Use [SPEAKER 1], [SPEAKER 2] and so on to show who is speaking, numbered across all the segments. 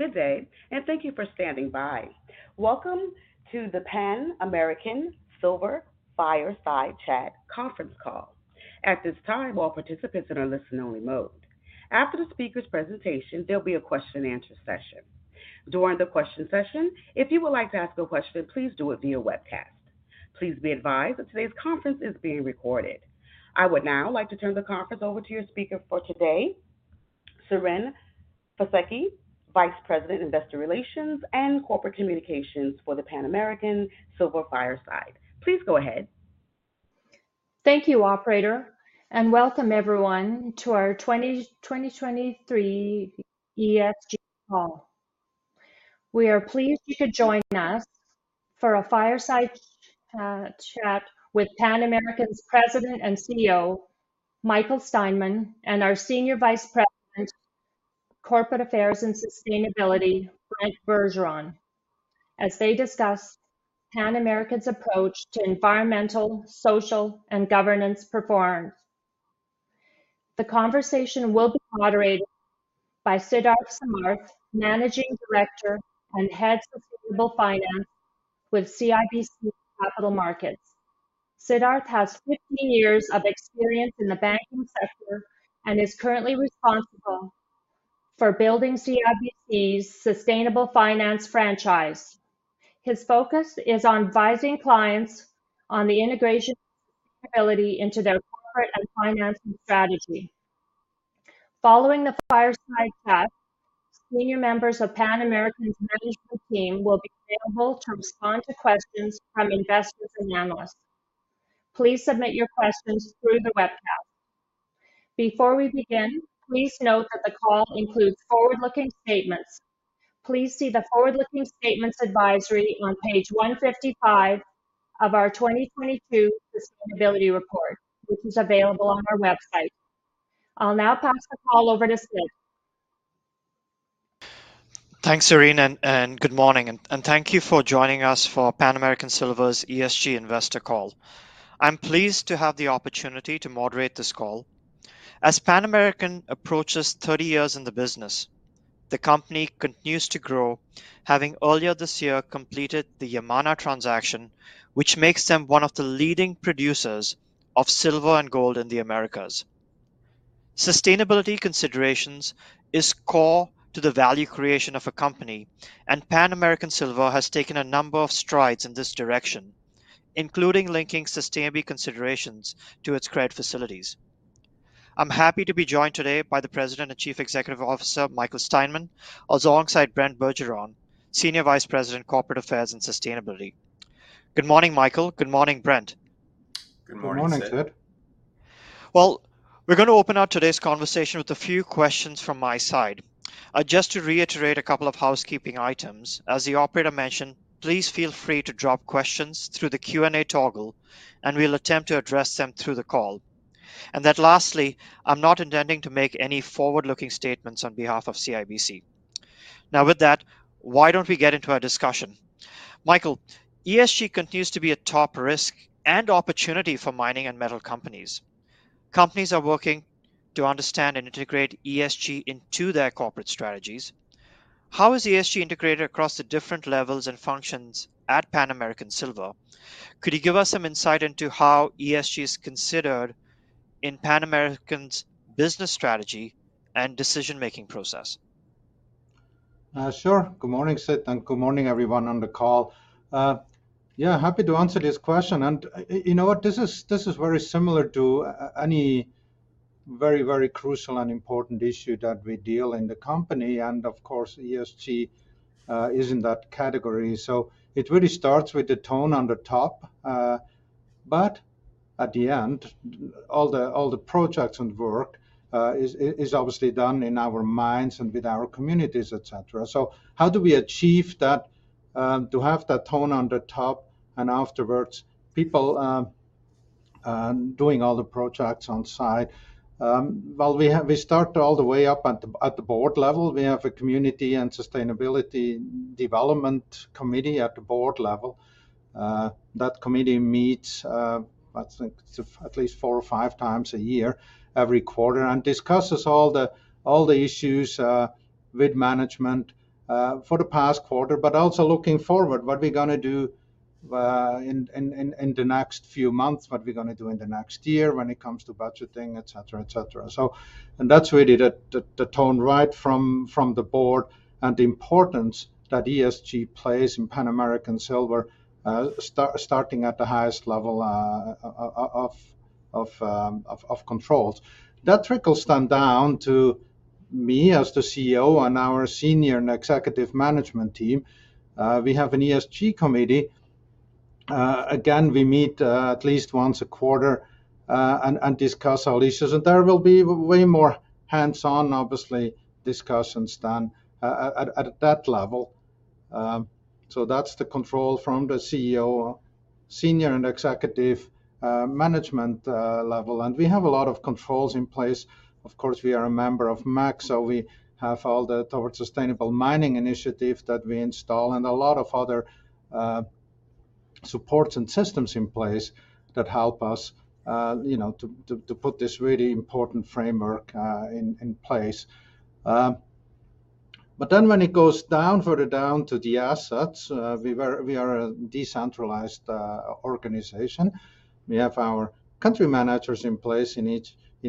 [SPEAKER 1] Good day, and thank you for standing by. Welcome to the Pan American Silver Chat conference call. At this time, all participants are in a listen-only mode. After the speaker's presentation, there'll be a question and answer session. During the question session, if you would like to ask a question, please do it via webcast. Please be advised that today's conference is being recorded. I would now like to turn the conference over to your speaker for today, Siren Fisekci, Vice President, Investor Relations and Corporate Communications for the Pan American Silver. Please go ahead.
[SPEAKER 2] Thank you, operator, and welcome everyone to our 2023 ESG call. We are pleased you could join us for a fireside chat with Pan American's President and CEO, Michael Steinmann, and our Senior Vice President, Corporate Affairs and Sustainability, Brent Bergeron, as they discuss Pan American's approach to environmental, social, and governance performance. The conversation will be moderated by Siddharth Samarth, Managing Director and Head of Sustainable Finance with CIBC Capital Markets. Siddharth has 15 years of experience in the banking sector and is currently responsible for building CIBC's sustainable finance franchise. His focus is on advising clients on the integration of sustainability into their corporate and financing strategy. Following the fireside chat, senior members of Pan American's management team will be available to respond to questions from investors and analysts. Please submit your questions through the webcast. Before we begin, please note that the call includes forward-looking statements. Please see the forward-looking statements advisory on page 155 of our 2022 Sustainability Report, which is available on our website. I'll now pass the call over to Sid.
[SPEAKER 3] Thanks, Siren, and good morning, and thank you for joining us for Pan American Silver's ESG investor call. I'm pleased to have the opportunity to moderate this call. As Pan American approaches 30 years in the business, the company continues to grow, having earlier this year completed the Yamana transaction, which makes them one of the leading producers of silver and gold in the Americas. Sustainability considerations is core to the value creation of a company, and Pan American Silver has taken a number of strides in this direction, including linking sustainability considerations to its credit facilities. I'm happy to be joined today by the President and Chief Executive Officer, Michael Steinmann, alongside Brent Bergeron, Senior Vice President, Corporate Affairs and Sustainability. Good morning, Michael. Good morning, Brent. Good morning, Sid.
[SPEAKER 4] Good morning, Sid.
[SPEAKER 3] Well, we're going to open up today's conversation with a few questions from my side. Just to reiterate a couple of housekeeping items, as the operator mentioned, please feel free to drop questions through the Q&A toggle, and we'll attempt to address them through the call. And then lastly, I'm not intending to make any forward-looking statements on behalf of CIBC. Now, with that, why don't we get into our discussion? Michael, ESG continues to be a top risk and opportunity for mining and metal companies. Companies are working to understand and integrate ESG into their corporate strategies. How is ESG integrated across the different levels and functions at Pan American Silver? Could you give us some insight into how ESG is considered in Pan American's business strategy and decision-making process?
[SPEAKER 4] Sure. Good morning, Sid, and good morning, everyone on the call. Yeah, happy to answer this question, and you know what? This is very similar to any very, very crucial and important issue that we deal in the company, and of course, ESG is in that category. So it really starts with the tone on the top, but at the end, all the projects and work is obviously done in our mines and with our communities, et cetera. So how do we achieve that, to have that tone on the top and afterwards, people doing all the projects on site? Well, we start all the way up at the board level. We have a Community and Sustainability Development Committee at the board level. That committee meets, I think at least four or five times a year, every quarter, and discusses all the issues with management for the past quarter, but also looking forward, what we're gonna do in the next few months, what we're gonna do in the next year when it comes to budgeting, et cetera, et cetera. That's really the tone right from the board and the importance that ESG plays in Pan American Silver, starting at the highest level of controls. That trickles down to me as the CEO and our senior and executive management team. We have an ESG Committee. Again, we meet at least once a quarter and discuss our issues, and there will be way more hands-on, obviously, discussions than at that level. So that's the control from the CEO, senior and executive management level. And we have a lot of controls in place. Of course, we are a member of MAC, so we have all the Towards Sustainable Mining initiative that we install and a lot of other supports and systems in place that help us, you know, to put this really important framework in place. But then when it goes down further down to the assets, we are a decentralized organization. We have our country managers in place in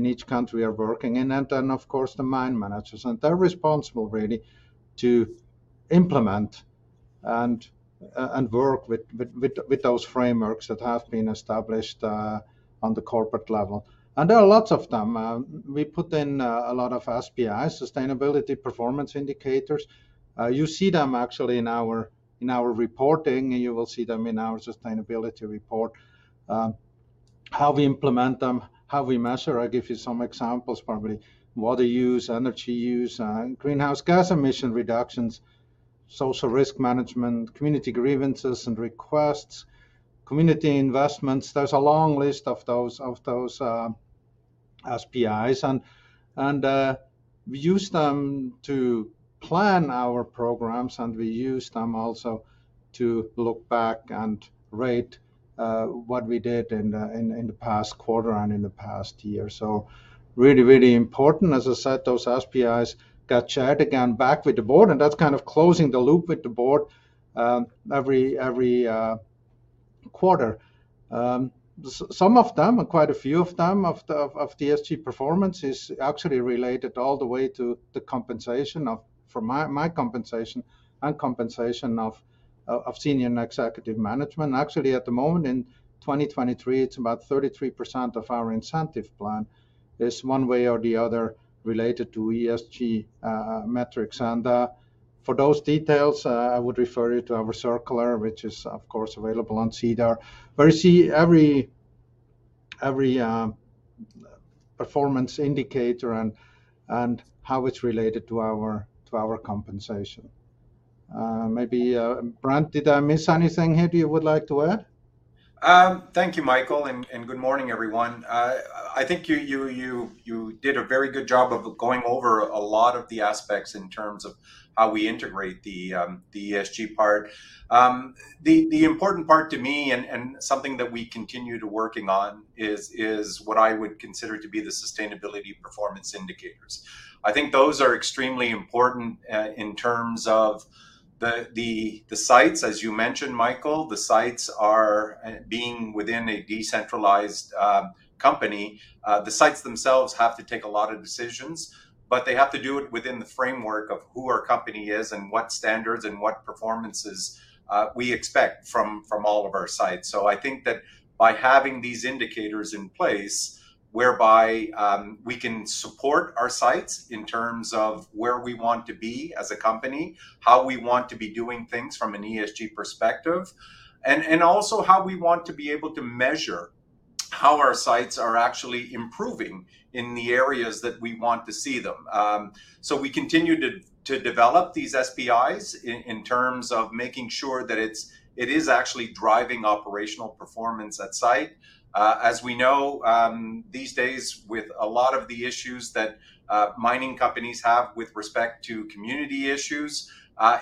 [SPEAKER 4] each country we are working in, and then, of course, the mine managers. They're responsible really to implement and work with those frameworks that have been established on the corporate level, and there are lots of them. We put in a lot of SPIs, Sustainability Performance Indicators. You see them actually in our reporting, and you will see them in our sustainability report. How we implement them, how we measure, I'll give you some examples, probably. Water use, energy use, greenhouse gas emission reductions, social risk management, community grievances and requests, community investments. There's a long list of those SPIs, and we use them to plan our programs, and we use them also to look back and rate what we did in the past quarter and in the past year. Really, really important. As I said, those SPIs get shared again back with the board, and that's kind of closing the loop with the board, every quarter. Some of them, quite a few of them, of the ESG performance is actually related all the way to the compensation of, For my compensation and compensation of senior and executive management. Actually, at the moment, in 2023, it's about 33% of our incentive plan is one way or the other related to ESG metrics. And for those details, I would refer you to our circular, which is, of course, available on SEDAR, where you see every performance indicator and how it's related to our compensation. Maybe, Brent, did I miss anything here that you would like to add?
[SPEAKER 5] Thank you, Michael, and good morning, everyone. I think you did a very good job of going over a lot of the aspects in terms of how we integrate the ESG part. The important part to me, and something that we continue to working on is what I would consider to be the sustainability performance indicators. I think those are extremely important in terms of the sites. As you mentioned, Michael, the sites are being within a decentralized company, the sites themselves have to take a lot of decisions, but they have to do it within the framework of who our company is and what standards and what performances we expect from all of our sites. So I think that by having these indicators in place, whereby we can support our sites in terms of where we want to be as a company, how we want to be doing things from an ESG perspective, and, and also how we want to be able to measure how our sites are actually improving in the areas that we want to see them. So we continue to develop these SPIs in terms of making sure that it is actually driving operational performance at site. As we know, these days, with a lot of the issues that mining companies have with respect to community issues,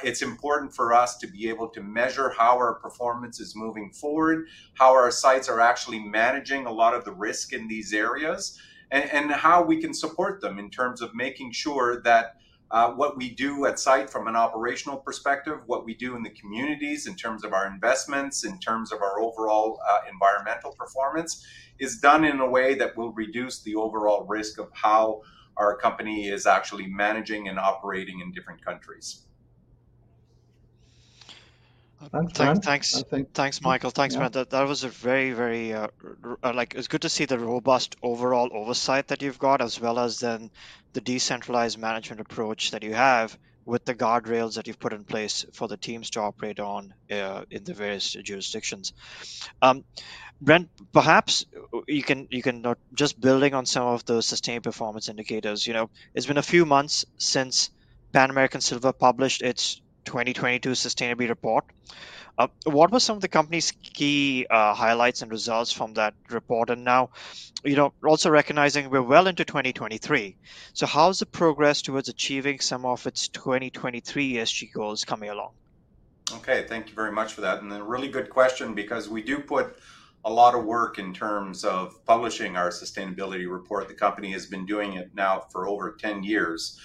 [SPEAKER 5] it's important for us to be able to measure how our performance is moving forward, how our sites are actually managing a lot of the risk in these areas, and how we can support them in terms of making sure that what we do at site from an operational perspective, what we do in the communities in terms of our investments, in terms of our overall environmental performance, is done in a way that will reduce the overall risk of how our company is actually managing and operating in different countries.
[SPEAKER 4] Thanks, Brent.
[SPEAKER 3] Thanks. Thanks, Michael.
[SPEAKER 4] Yeah.
[SPEAKER 3] Thanks, Brent. That, that was a very, very, like, it's good to see the robust overall oversight that you've got, as well as then the decentralized management approach that you have, with the guardrails that you've put in place for the teams to operate on, in the various jurisdictions. Brent, perhaps, you can, you can, just building on some of those sustainable performance indicators. You know, it's been a few months since Pan American Silver published its 2022 Sustainability Report. What were some of the company's key, highlights and results from that report? And now, you know, also recognizing we're well into 2023, so how's the progress towards achieving some of its 2023 ESG goals coming along?
[SPEAKER 5] Okay, thank you very much for that, and a really good question because we do put a lot of work in terms of publishing our sustainability report. The company has been doing it now for over 10 years,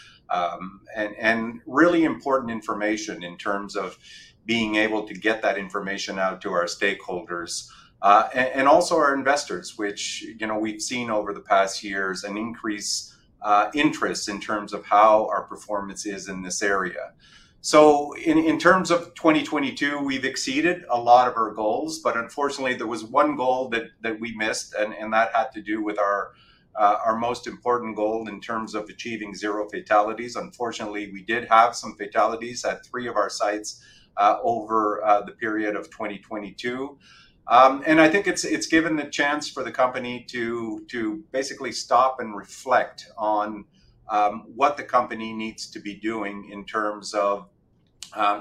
[SPEAKER 5] and really important information in terms of being able to get that information out to our stakeholders, and also our investors, which, you know, we've seen over the past years an increased interest in terms of how our performance is in this area. So in terms of 2022, we've exceeded a lot of our goals, but unfortunately, there was one goal that we missed, and that had to do with our most important goal in terms of achieving 0 fatalities. Unfortunately, we did have some fatalities at 3 of our sites over the period of 2022. And I think it's given the chance for the company to basically stop and reflect on what the company needs to be doing in terms of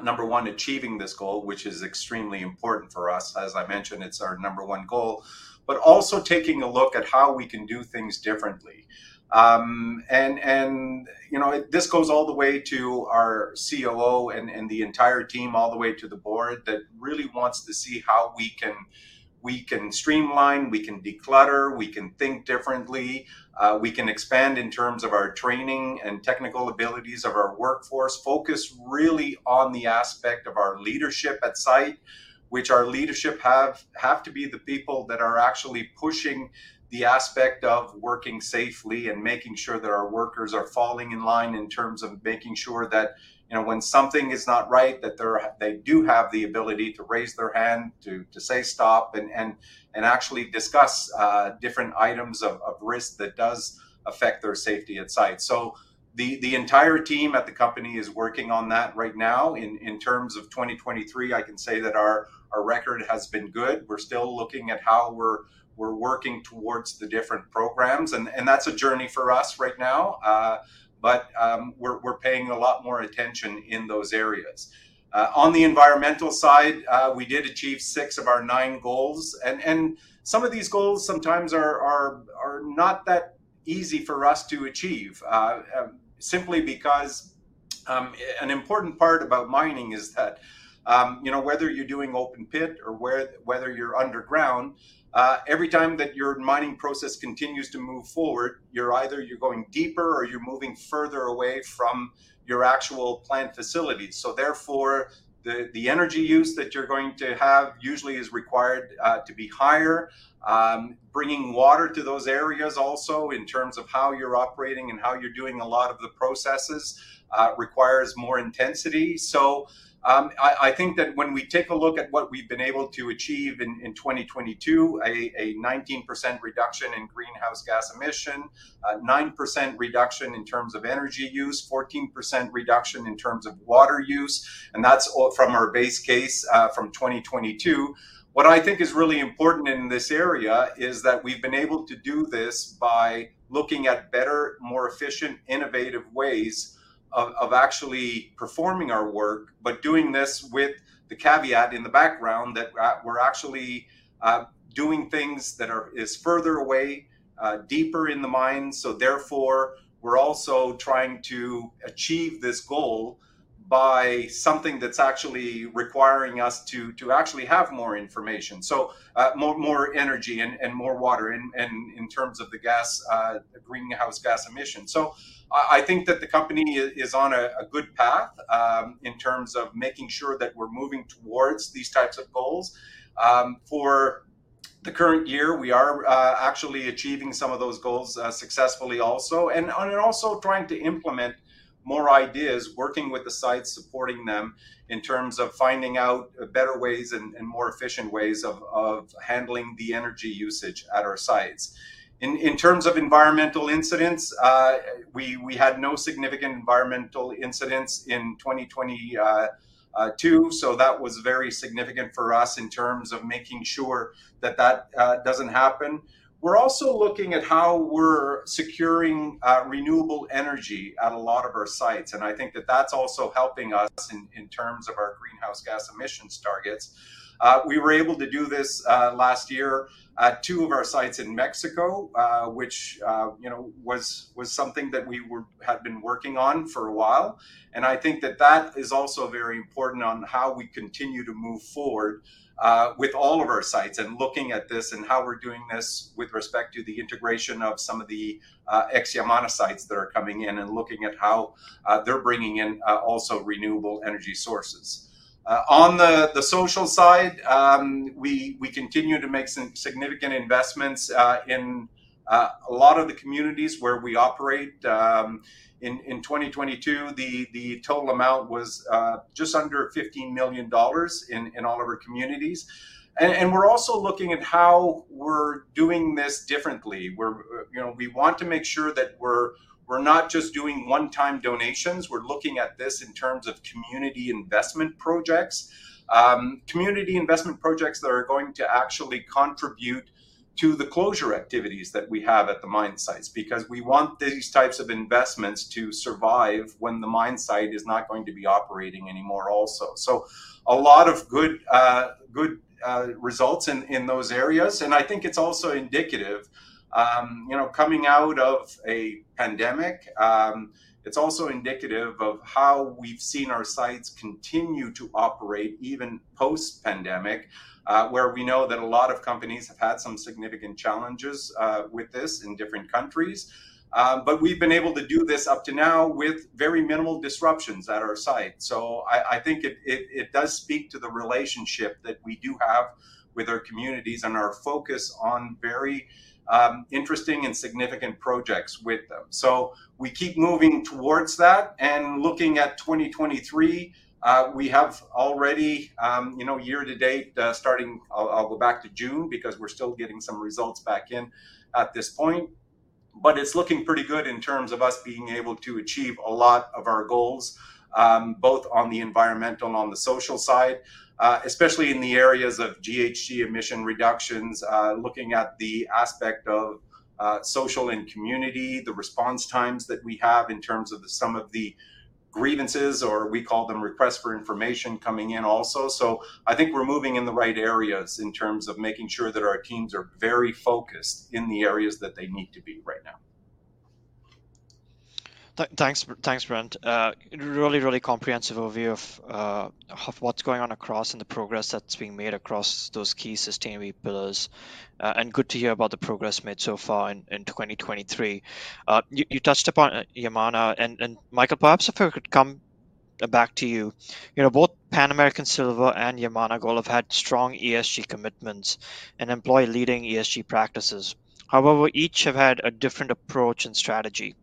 [SPEAKER 5] number one, achieving this goal, which is extremely important for us. As I mentioned, it's our number one goal, but also taking a look at how we can do things differently. And, you know, this goes all the way to our COO and the entire team, all the way to the board, that really wants to see how we can streamline, declutter, think differently, expand in terms of our training and technical abilities of our workforce. Focus really on the aspect of our leadership at site, which our leadership have to be the people that are actually pushing the aspect of working safely and making sure that our workers are falling in line in terms of making sure that, you know, when something is not right, that they're, they do have the ability to raise their hand, to say stop, and actually discuss different items of risk that does affect their safety at site. So the entire team at the company is working on that right now. In terms of 2023, I can say that our record has been good. We're still looking at how we're working towards the different programs, and that's a journey for us right now. But we're paying a lot more attention in those areas. On the environmental side, we did achieve 6 of our 9 goals, and some of these goals sometimes are not that easy for us to achieve, simply because an important part about mining is that, you know, whether you're doing open pit or whether you're underground, every time that your mining process continues to move forward, you're either going deeper or you're moving further away from your actual plant facilities. So therefore, the energy use that you're going to have usually is required to be higher. Bringing water to those areas also, in terms of how you're operating and how you're doing a lot of the processes, requires more intensity. So, I think that when we take a look at what we've been able to achieve in 2022, a 19% reduction in greenhouse gas emission, a 9% reduction in terms of energy use, 14% reduction in terms of water use, and that's all from our base case from 2022. What I think is really important in this area is that we've been able to do this by looking at better, more efficient, innovative ways of actually performing our work, but doing this with the caveat in the background that we're actually doing things that is further away, deeper in the mine. So therefore, we're also trying to achieve this goal by something that's actually requiring us to actually have more information. So, more energy and more water in terms of the gas, greenhouse gas emission. So I think that the company is on a good path in terms of making sure that we're moving towards these types of goals. For the current year, we are actually achieving some of those goals successfully also, and also trying to implement more ideas, working with the site, supporting them in terms of finding out better ways and more efficient ways of handling the energy usage at our sites. In terms of environmental incidents, we had no significant environmental incidents in 2022. So that was very significant for us in terms of making sure that that doesn't happen. We're also looking at how we're securing renewable energy at a lot of our sites, and I think that that's also helping us in terms of our greenhouse gas emissions targets. We were able to do this last year at two of our sites in Mexico, which you know was something that we had been working on for a while. I think that that is also very important on how we continue to move forward with all of our sites, and looking at this and how we're doing this with respect to the integration of some of the ex Yamana sites that are coming in, and looking at how they're bringing in also renewable energy sources. On the social side, we continue to make some significant investments in a lot of the communities where we operate. In 2022, the total amount was just under $15 million in all of our communities. We're also looking at how we're doing this differently. You know, we want to make sure that we're not just doing one-time donations. We're looking at this in terms of community investment projects. Community investment projects that are going to actually contribute to the closure activities that we have at the mine sites, because we want these types of investments to survive when the mine site is not going to be operating anymore also. So a lot of good, good, results in those areas, and I think it's also indicative, you know, coming out of a pandemic, it's also indicative of how we've seen our sites continue to operate even post-pandemic, where we know that a lot of companies have had some significant challenges with this in different countries. But we've been able to do this up to now with very minimal disruptions at our site. So I think it does speak to the relationship that we do have with our communities and our focus on very, interesting and significant projects with them. So we keep moving towards that. And looking at 2023, we have already, you know, year to date, starting. I'll go back to June, because we're still getting some results back in at this point. But it's looking pretty good in terms of us being able to achieve a lot of our goals, both on the environmental and on the social side, especially in the areas of GHG emission reductions, looking at the aspect of social and community, the response times that we have in terms of some of the grievances, or we call them requests for information coming in also. So I think we're moving in the right areas in terms of making sure that our teams are very focused in the areas that they need to be right now.
[SPEAKER 3] Thanks, thanks, Brent. Really, really comprehensive overview of what's going on across and the progress that's being made across those key sustainability pillars. And good to hear about the progress made so far in 2023. You touched upon Yamana, and Michael, perhaps if I could come back to you. You know, both Pan American Silver and Yamana Gold have had strong ESG commitments and employ leading ESG practices. However, each have had a different approach and strategy.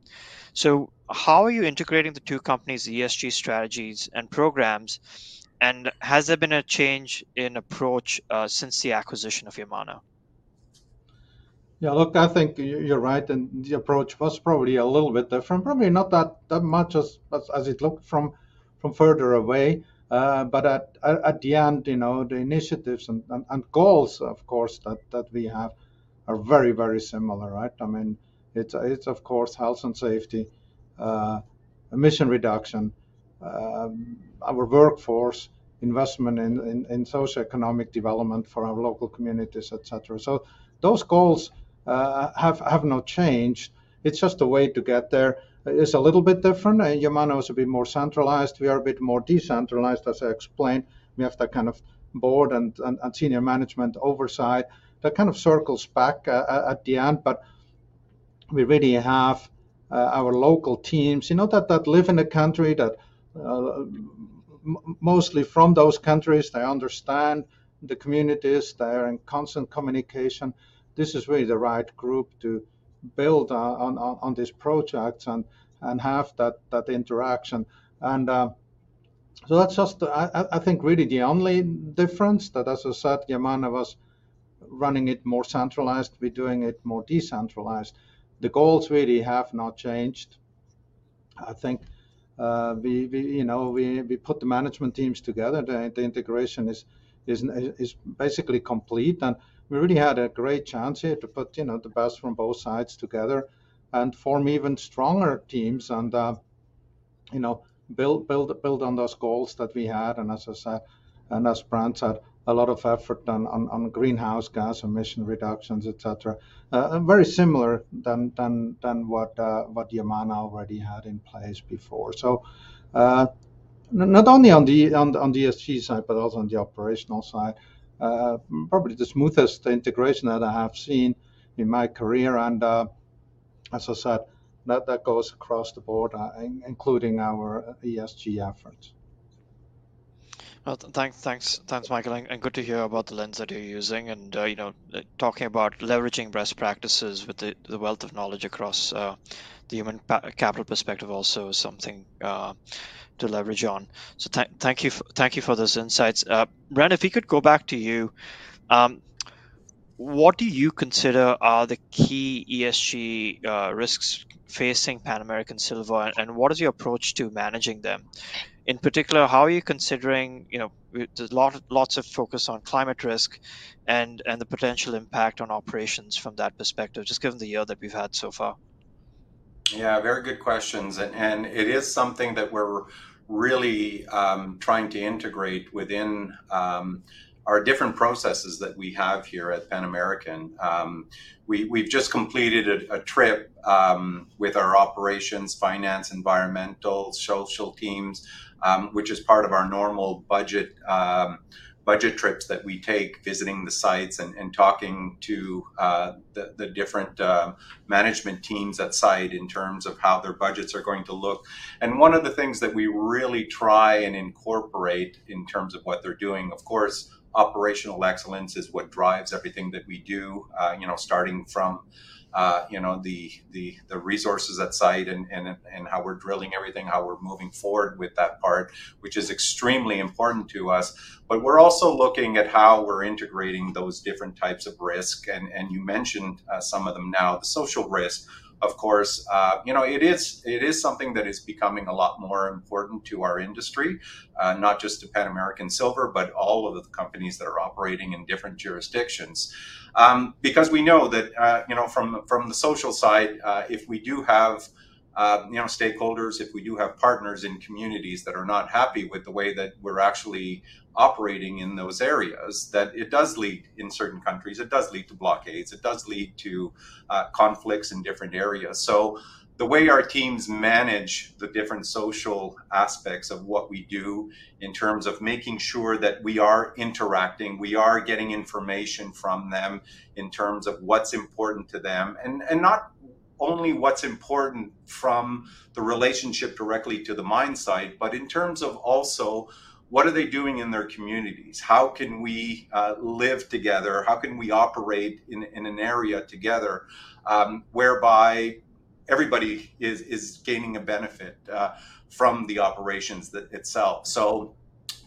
[SPEAKER 3] So how are you integrating the two companies' ESG strategies and programs, and has there been a change in approach since the acquisition of Yamana?
[SPEAKER 4] Yeah, look, I think you're right, and the approach was probably a little bit different. Probably not that much as it looked from further away, but at the end, you know, the initiatives and goals, of course, that we have are very similar, right? I mean, it's of course, health and safety, emission reduction, our workforce, investment in socioeconomic development for our local communities, et cetera. So those goals have not changed. It's just the way to get there is a little bit different. Yamana was a bit more centralized. We are a bit more decentralized, as I explained. We have that kind of board and senior management oversight that kind of circles back at the end, but we really have our local teams, you know, that live in the country, that mostly from those countries, they understand the communities, they are in constant communication. This is really the right group to build on this project and have that interaction. And so that's just I think really the only difference that, as I said, Yamana was running it more centralized, we're doing it more decentralized. The goals really have not changed. I think we, you know, we put the management teams together. The integration is basically complete, and we really had a great chance here to put, you know, the best from both sides together and form even stronger teams and, you know, build on those goals that we had. And as I said, and as Brent said, a lot of effort done on greenhouse gas emission reductions, et cetera. And very similar than what Yamana already had in place before. So, not only on the ESG side, but also on the operational side. Probably the smoothest integration that I have seen in my career, and, as I said, that goes across the board, including our ESG efforts.
[SPEAKER 3] Well, thanks. Thanks, thanks, Michael, and good to hear about the lens that you're using and, you know, talking about leveraging best practices with the, the wealth of knowledge across, the human capital perspective also is something, to leverage on. So thank you, thank you for those insights. Brent, if we could go back to you, what do you consider are the key ESG risks facing Pan American Silver, and what is your approach to managing them? In particular, how are you considering, you know, there's lots of focus on climate risk and, the potential impact on operations from that perspective, just given the year that we've had so far?
[SPEAKER 5] Yeah, very good questions, and it is something that we're really trying to integrate within our different processes that we have here at Pan American. We've just completed a trip with our operations, finance, environmental, social teams, which is part of our normal budget trips that we take, visiting the sites and talking to the different management teams at site in terms of how their budgets are going to look. And one of the things that we really try and incorporate in terms of what they're doing, of course, operational excellence is what drives everything that we do. You know, starting from you know the resources at site and how we're drilling everything, how we're moving forward with that part, which is extremely important to us. But we're also looking at how we're integrating those different types of risk, and, and you mentioned some of them now. The social risk, of course, you know, it is, it is something that is becoming a lot more important to our industry, not just to Pan American Silver, but all of the companies that are operating in different jurisdictions. Because we know that, you know, from, from the social side, if we do have, you know, stakeholders, if we do have partners in communities that are not happy with the way that we're actually operating in those areas, that it does lead, in certain countries, it does lead to blockades, it does lead to conflicts in different areas. So the way our teams manage the different social aspects of what we do in terms of making sure that we are interacting, we are getting information from them in terms of what's important to them, and not only what's important from the relationship directly to the mine site, but in terms of also, what are they doing in their communities? How can we live together? How can we operate in an area together, whereby everybody is gaining a benefit from the operations that itself? So,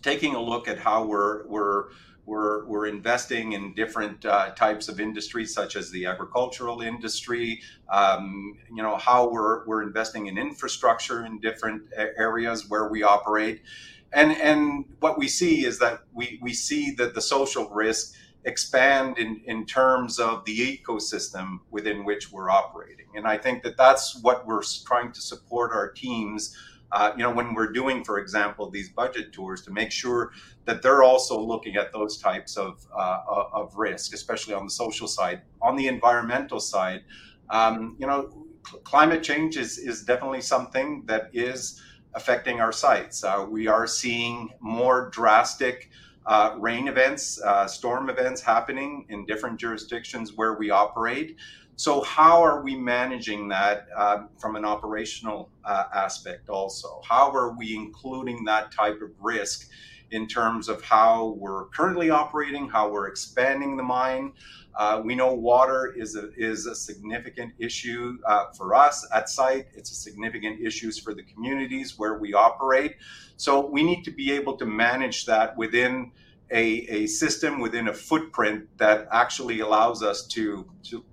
[SPEAKER 5] taking a look at how we're investing in different types of industries, such as the agricultural industry, you know, how we're investing in infrastructure in different areas where we operate. What we see is that we see that the social risks expand in terms of the ecosystem within which we're operating. I think that that's what we're trying to support our teams, you know, when we're doing, for example, these budget tours, to make sure that they're also looking at those types of risk, especially on the social side. On the environmental side, you know, climate change is definitely something that is affecting our sites. We are seeing more drastic rain events, storm events happening in different jurisdictions where we operate. So how are we managing that from an operational aspect also? How are we including that type of risk in terms of how we're currently operating, how we're expanding the mine? We know water is a significant issue for us at site. It's a significant issues for the communities where we operate. So we need to be able to manage that within a system, within a footprint that actually allows us to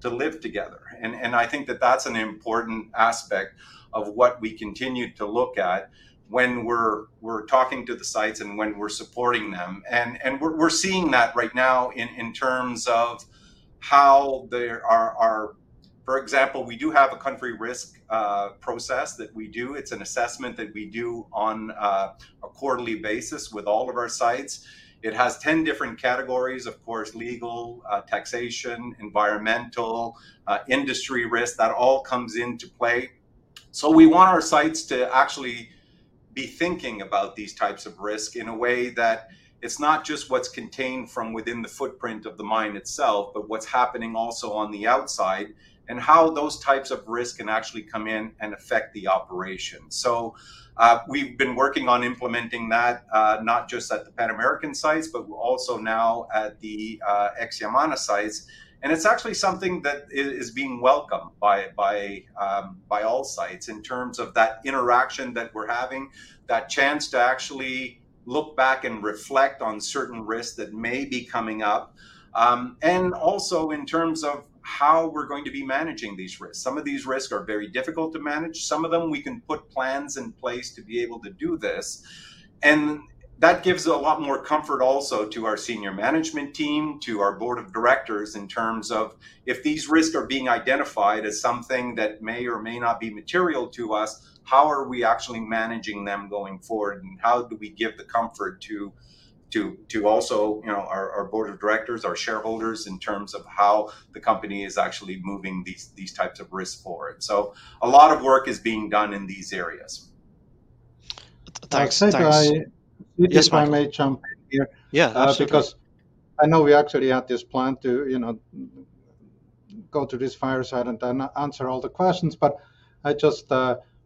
[SPEAKER 5] live together. And I think that's an important aspect of what we continue to look at when we're talking to the sites and when we're supporting them. And we're seeing that right now in terms of how there are. For example, we do have a country risk process that we do. It's an assessment that we do on a quarterly basis with all of our sites. It has 10 different categories, of course, legal, taxation, environmental, industry risk, that all comes into play. So we want our sites to actually be thinking about these types of risk in a way that it's not just what's contained from within the footprint of the mine itself, but what's happening also on the outside, and how those types of risk can actually come in and affect the operation. So, we've been working on implementing that, not just at the Pan American sites, but also now at the Yamana sites. And it's actually something that is being welcomed by all sites in terms of that interaction that we're having, that chance to actually look back and reflect on certain risks that may be coming up. And also in terms of how we're going to be managing these risks. Some of these risks are very difficult to manage. Some of them, we can put plans in place to be able to do this, and that gives a lot more comfort also to our senior management team, to our board of directors, in terms of, if these risks are being identified as something that may or may not be material to us, how are we actually managing them going forward? And how do we give the comfort to also, you know, our board of directors, our shareholders, in terms of how the company is actually moving these types of risks forward? So a lot of work is being done in these areas.
[SPEAKER 4] Thanks. Yes, Michael. If I may jump in here. Yeah, absolutely. Because I know we actually have this plan to, you know, go to this fireside and then answer all the questions, but I just.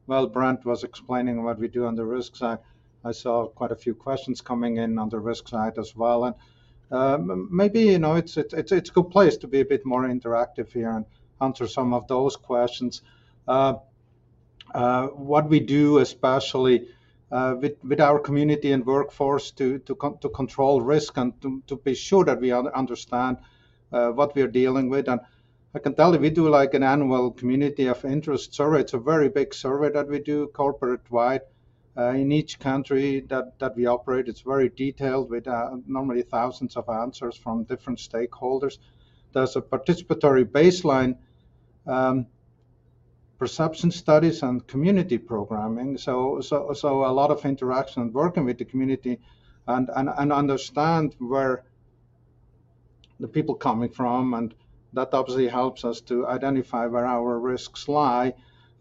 [SPEAKER 4] While Brent was explaining what we do on the risks, I saw quite a few questions coming in on the risk side as well, and maybe, you know, it's a good place to be a bit more interactive here and answer some of those questions. What we do, especially with our community and workforce to control risk and to be sure that we understand what we are dealing with, and I can tell you, we do like an annual community of interest survey. It's a very big survey that we do corporate-wide in each country that we operate. It's very detailed, with normally thousands of answers from different stakeholders. There's a participatory baseline perception studies and community programming, so a lot of interaction working with the community and understand where the people coming from, and that obviously helps us to identify where our risks lie.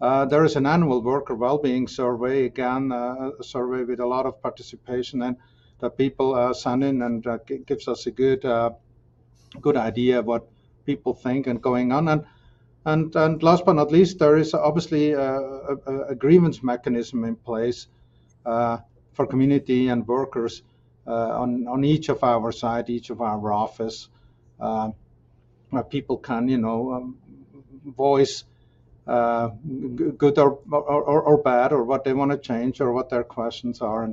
[SPEAKER 4] There is an annual worker well-being survey. Again, a survey with a lot of participation and that people sign in, and that gives us a good idea of what people think and going on. Last but not least, there is obviously a grievance mechanism in place for community and workers on each of our site, each of our office, where people can, you know, voice good or bad, or what they want to change, or what their questions are,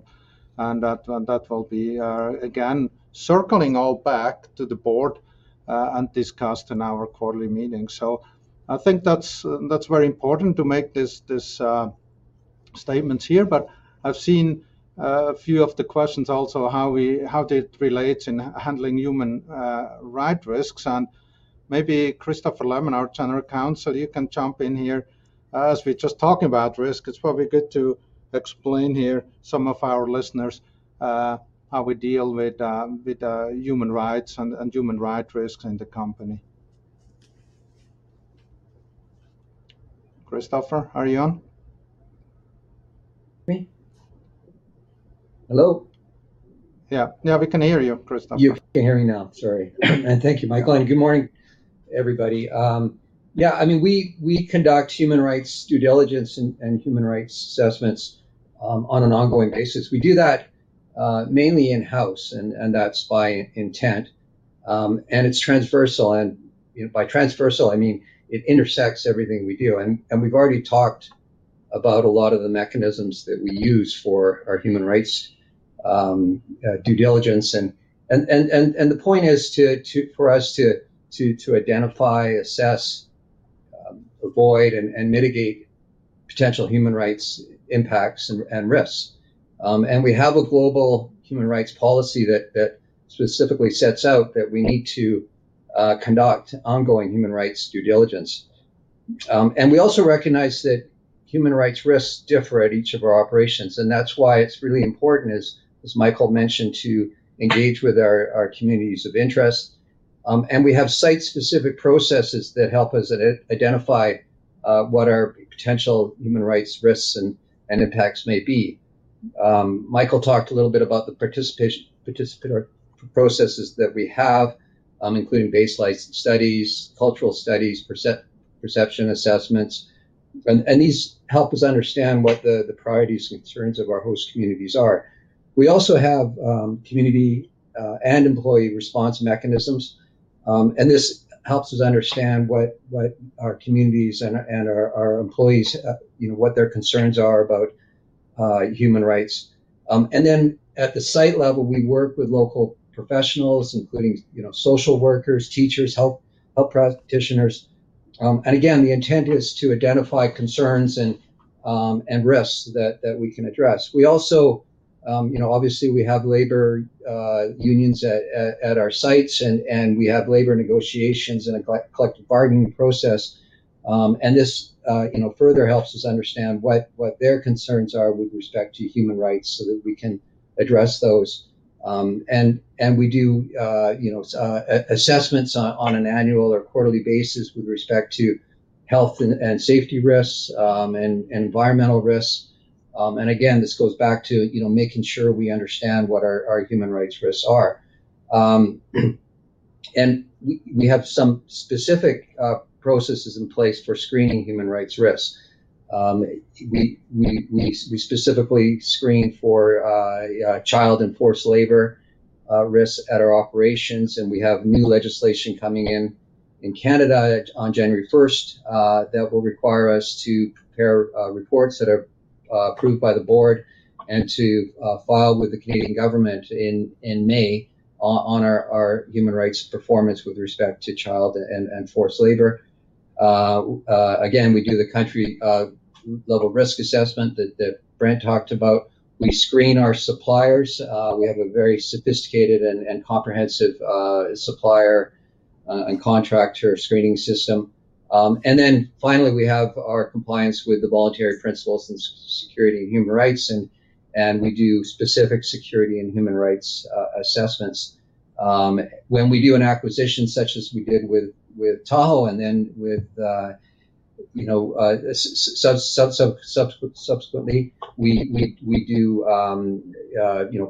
[SPEAKER 4] and that will be again circling all back to the board and discussed in our quarterly meetings. So I think that's very important to make this statements here, but I've seen a few of the questions also, how it relates in handling human rights risks. And maybe Christopher Lemon, our General Counsel, you can jump in here. As we're just talking about risk, it's probably good to explain here to some of our listeners how we deal with human rights and human rights risks in the company. Christopher, are you on?
[SPEAKER 6] Me? Hello?
[SPEAKER 4] Yeah. Yeah, we can hear you, Christopher.
[SPEAKER 6] You can hear me now, sorry. And thank you, Michael, and good morning, everybody. Yeah, I mean, we conduct human rights due diligence and human rights assessments on an ongoing basis. We do that mainly in-house, and that's by intent, and it's transversal. And, you know, by transversal, I mean it intersects everything we do. And we've already talked- About a lot of the mechanisms that we use for our human rights due diligence. And the point is to for us to identify, assess, avoid, and mitigate potential human rights impacts and risks. And we have a global human rights policy that specifically sets out that we need to conduct ongoing human rights due diligence. And we also recognize that human rights risks differ at each of our operations, and that's why it's really important, as Michael mentioned, to engage with our communities of interest. And we have site-specific processes that help us identify what our potential human rights risks and impacts may be. Michael talked a little bit about the participation, participatory processes that we have, including baseline studies, cultural studies, perception assessments, and these help us understand what the priorities and concerns of our host communities are. We also have community and employee response mechanisms, and this helps us understand what our communities and our employees, you know, what their concerns are about human rights. And then, at the site level, we work with local professionals, including, you know, social workers, teachers, health practitioners. And again, the intent is to identify concerns and risks that we can address. We also, you know, obviously we have labor unions at our sites, and we have labor negotiations and a collective bargaining process. And this, you know, further helps us understand what their concerns are with respect to human rights so that we can address those. And we do, you know, assessments on an annual or quarterly basis with respect to health and safety risks, and environmental risks. And again, this goes back to, you know, making sure we understand what our human rights risks are. And we have some specific processes in place for screening human rights risks. We specifically screen for child and forced labor risks at our operations, and we have new legislation coming in in Canada on January 1st that will require us to prepare reports that are approved by the board and to file with the Canadian government in May on our human rights performance with respect to child and forced labor. Again, we do the country level risk assessment that Brent talked about. We screen our suppliers. We have a very sophisticated and comprehensive supplier and contractor screening system. And then finally, we have our compliance with the Voluntary Principles on Security and Human Rights, and we do specific security and human rights assessments. When we do an acquisition such as we did with Tahoe, and then with, you know, subsequently, we do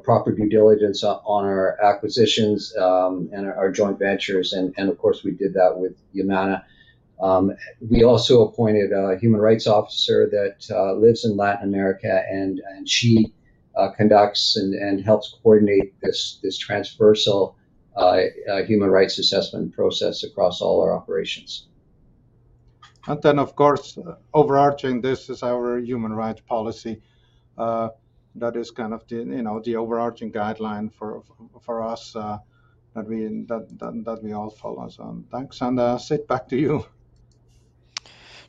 [SPEAKER 6] proper due diligence on our acquisitions and our joint ventures, and of course, we did that with Yamana. We also appointed a human rights officer that lives in Latin America, and she conducts and helps coordinate this transversal human rights assessment process across all our operations.
[SPEAKER 4] Then, of course, overarching this is our human rights policy. That is kind of the, you know, the overarching guideline for us, that we all follow us on. Thanks. Sid, back to you.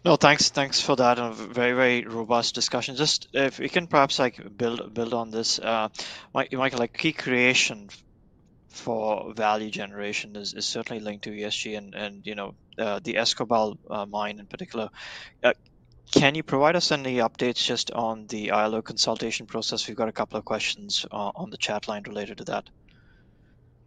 [SPEAKER 3] Well, thanks, thanks for that, a very, very robust discussion. Just if you can perhaps, like, build on this, Michael, like, key creation for value generation is certainly linked to ESG and, you know, the Escobal mine in particular. Can you provide us any updates just on the ILO consultation process? We've got a couple of questions on the chat line related to that.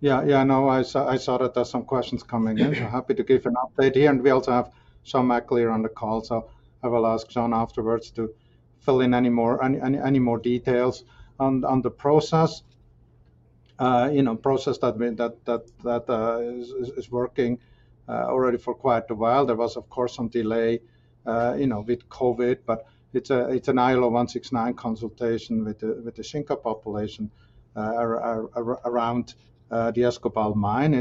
[SPEAKER 4] Yeah, yeah, no, I saw, I saw that there's some questions coming in. I'm happy to give an update here, and we also have Sean here on the call, so I will ask Sean afterwards to fill in any more details on the process. You know, process, I mean, that is working already for quite a while. There was, of course, some delay, you know, with COVID, but it's an ILO 169 consultation with the Xinca population around the Escobal mine.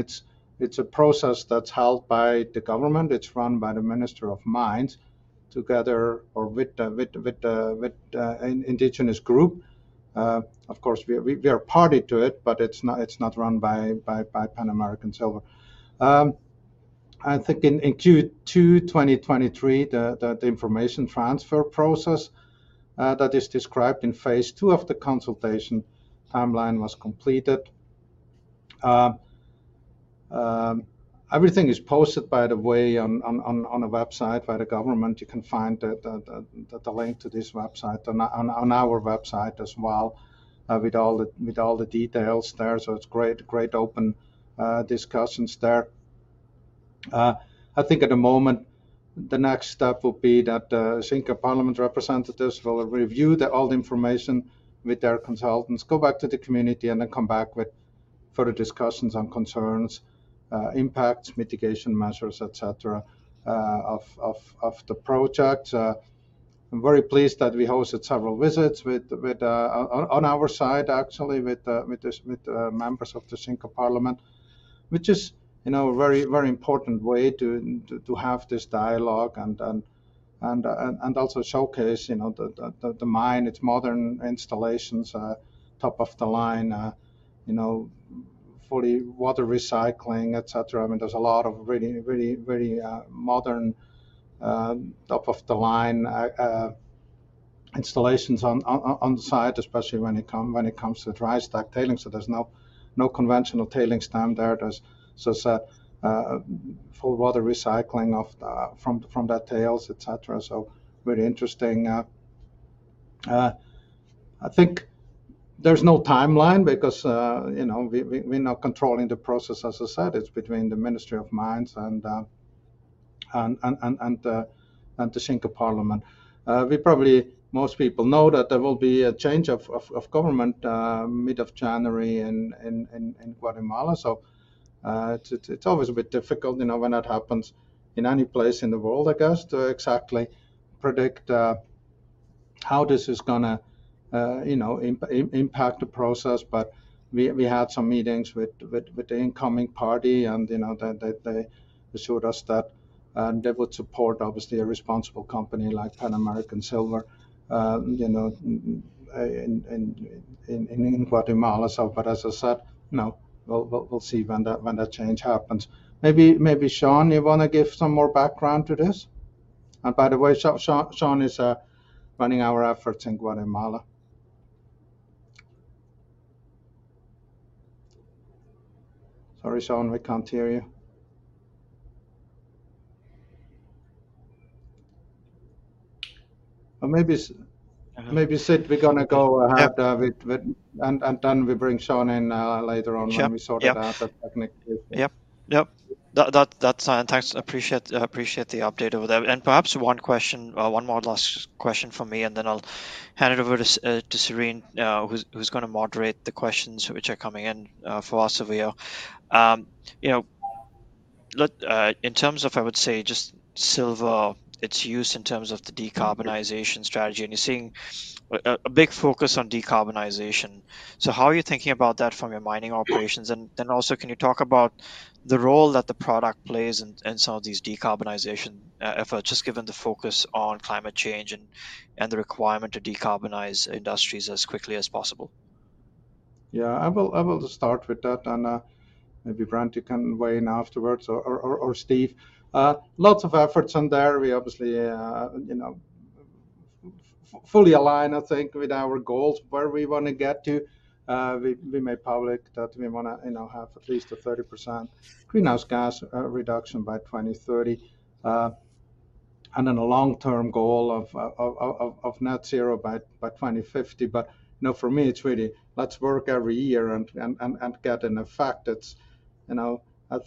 [SPEAKER 4] It's a process that's held by the government. It's run by the Minister of Mines together or with the indigenous group. Of course, we are party to it, but it's not run by Pan American Silver. I think in Q2 2023, the information transfer process that is described in phase two of the consultation timeline was completed. Everything is posted, by the way, on a website by the government. You can find the link to this website on our website as well, with all the details there, so it's great open discussions there. I think at the moment, the next step will be that, Xinka Parliament representatives will review all the information with their consultants, go back to the community, and then come back with further discussions on concerns, impacts, mitigation measures, et cetera, of the project. I'm very pleased that we hosted several visits with, on our side, actually, with the members of the Xinka Parliament, which is, you know, a very, very important way to have this dialogue and also showcase, you know, the mine, its modern installations, top-of-the-line, you know, fully water recycling, et cetera. I mean, there's a lot of really, really, really modern top-of-the-line installations on site, especially when it comes to dry stack tailings. So there's no conventional tailings down there. There's. So it's a full water recycling from that tails, et cetera. So very interesting. I think there's no timeline because, you know, we're not controlling the process. As I said, it's between the Ministry of Mines and the Xinka Parliament. We probably, most people know that there will be a change of government mid of January in Guatemala. So, it's always a bit difficult, you know, when that happens in any place in the world, I guess, to exactly predict how this is gonna, you know, impact the process. But we had some meetings with the incoming party, and, you know, that they assured us that they would support, obviously, a responsible company like Pan American Silver, you know, in Guatemala. So but as I said, you know, we'll see when that change happens. Maybe, Sean, you wanna give some more background to this? And by the way, Sean is running our efforts in Guatemala. Sorry, Sean, we can't hear you. Or maybe S-
[SPEAKER 3] Uh-
[SPEAKER 4] Maybe, Sid, we're gonna go ahead with, and then we bring Sean in later on-
[SPEAKER 3] Sure, yep
[SPEAKER 4] when we sort out the technique.
[SPEAKER 3] Yep. Yep. That, that, that's fine. Thanks. I appreciate, I appreciate the update over there. And perhaps one question, one more last question from me, and then I'll hand it over to, to Siren, who's, who's gonna moderate the questions which are coming in, for us over here. You know, look, in terms of, I would say, just silver, its use in terms of the decarbonization strategy, and you're seeing a, a big focus on decarbonization. So how are you thinking about that from your mining operations? And then, also, can you talk about the role that the product plays in, in some of these decarbonization, efforts, just given the focus on climate change and, and the requirement to decarbonize industries as quickly as possible?
[SPEAKER 4] Yeah, I will just start with that, and maybe Brent, you can weigh in afterwards or Steve. Lots of efforts on there. We obviously, you know, fully align, I think, with our goals, where we wanna get to. We made public that we wanna, you know, have at least a 30% greenhouse gas reduction by 2030, and then a long-term goal of net zero by 2050. But, you know, for me, it's really let's work every year and get an effect that's. You know, I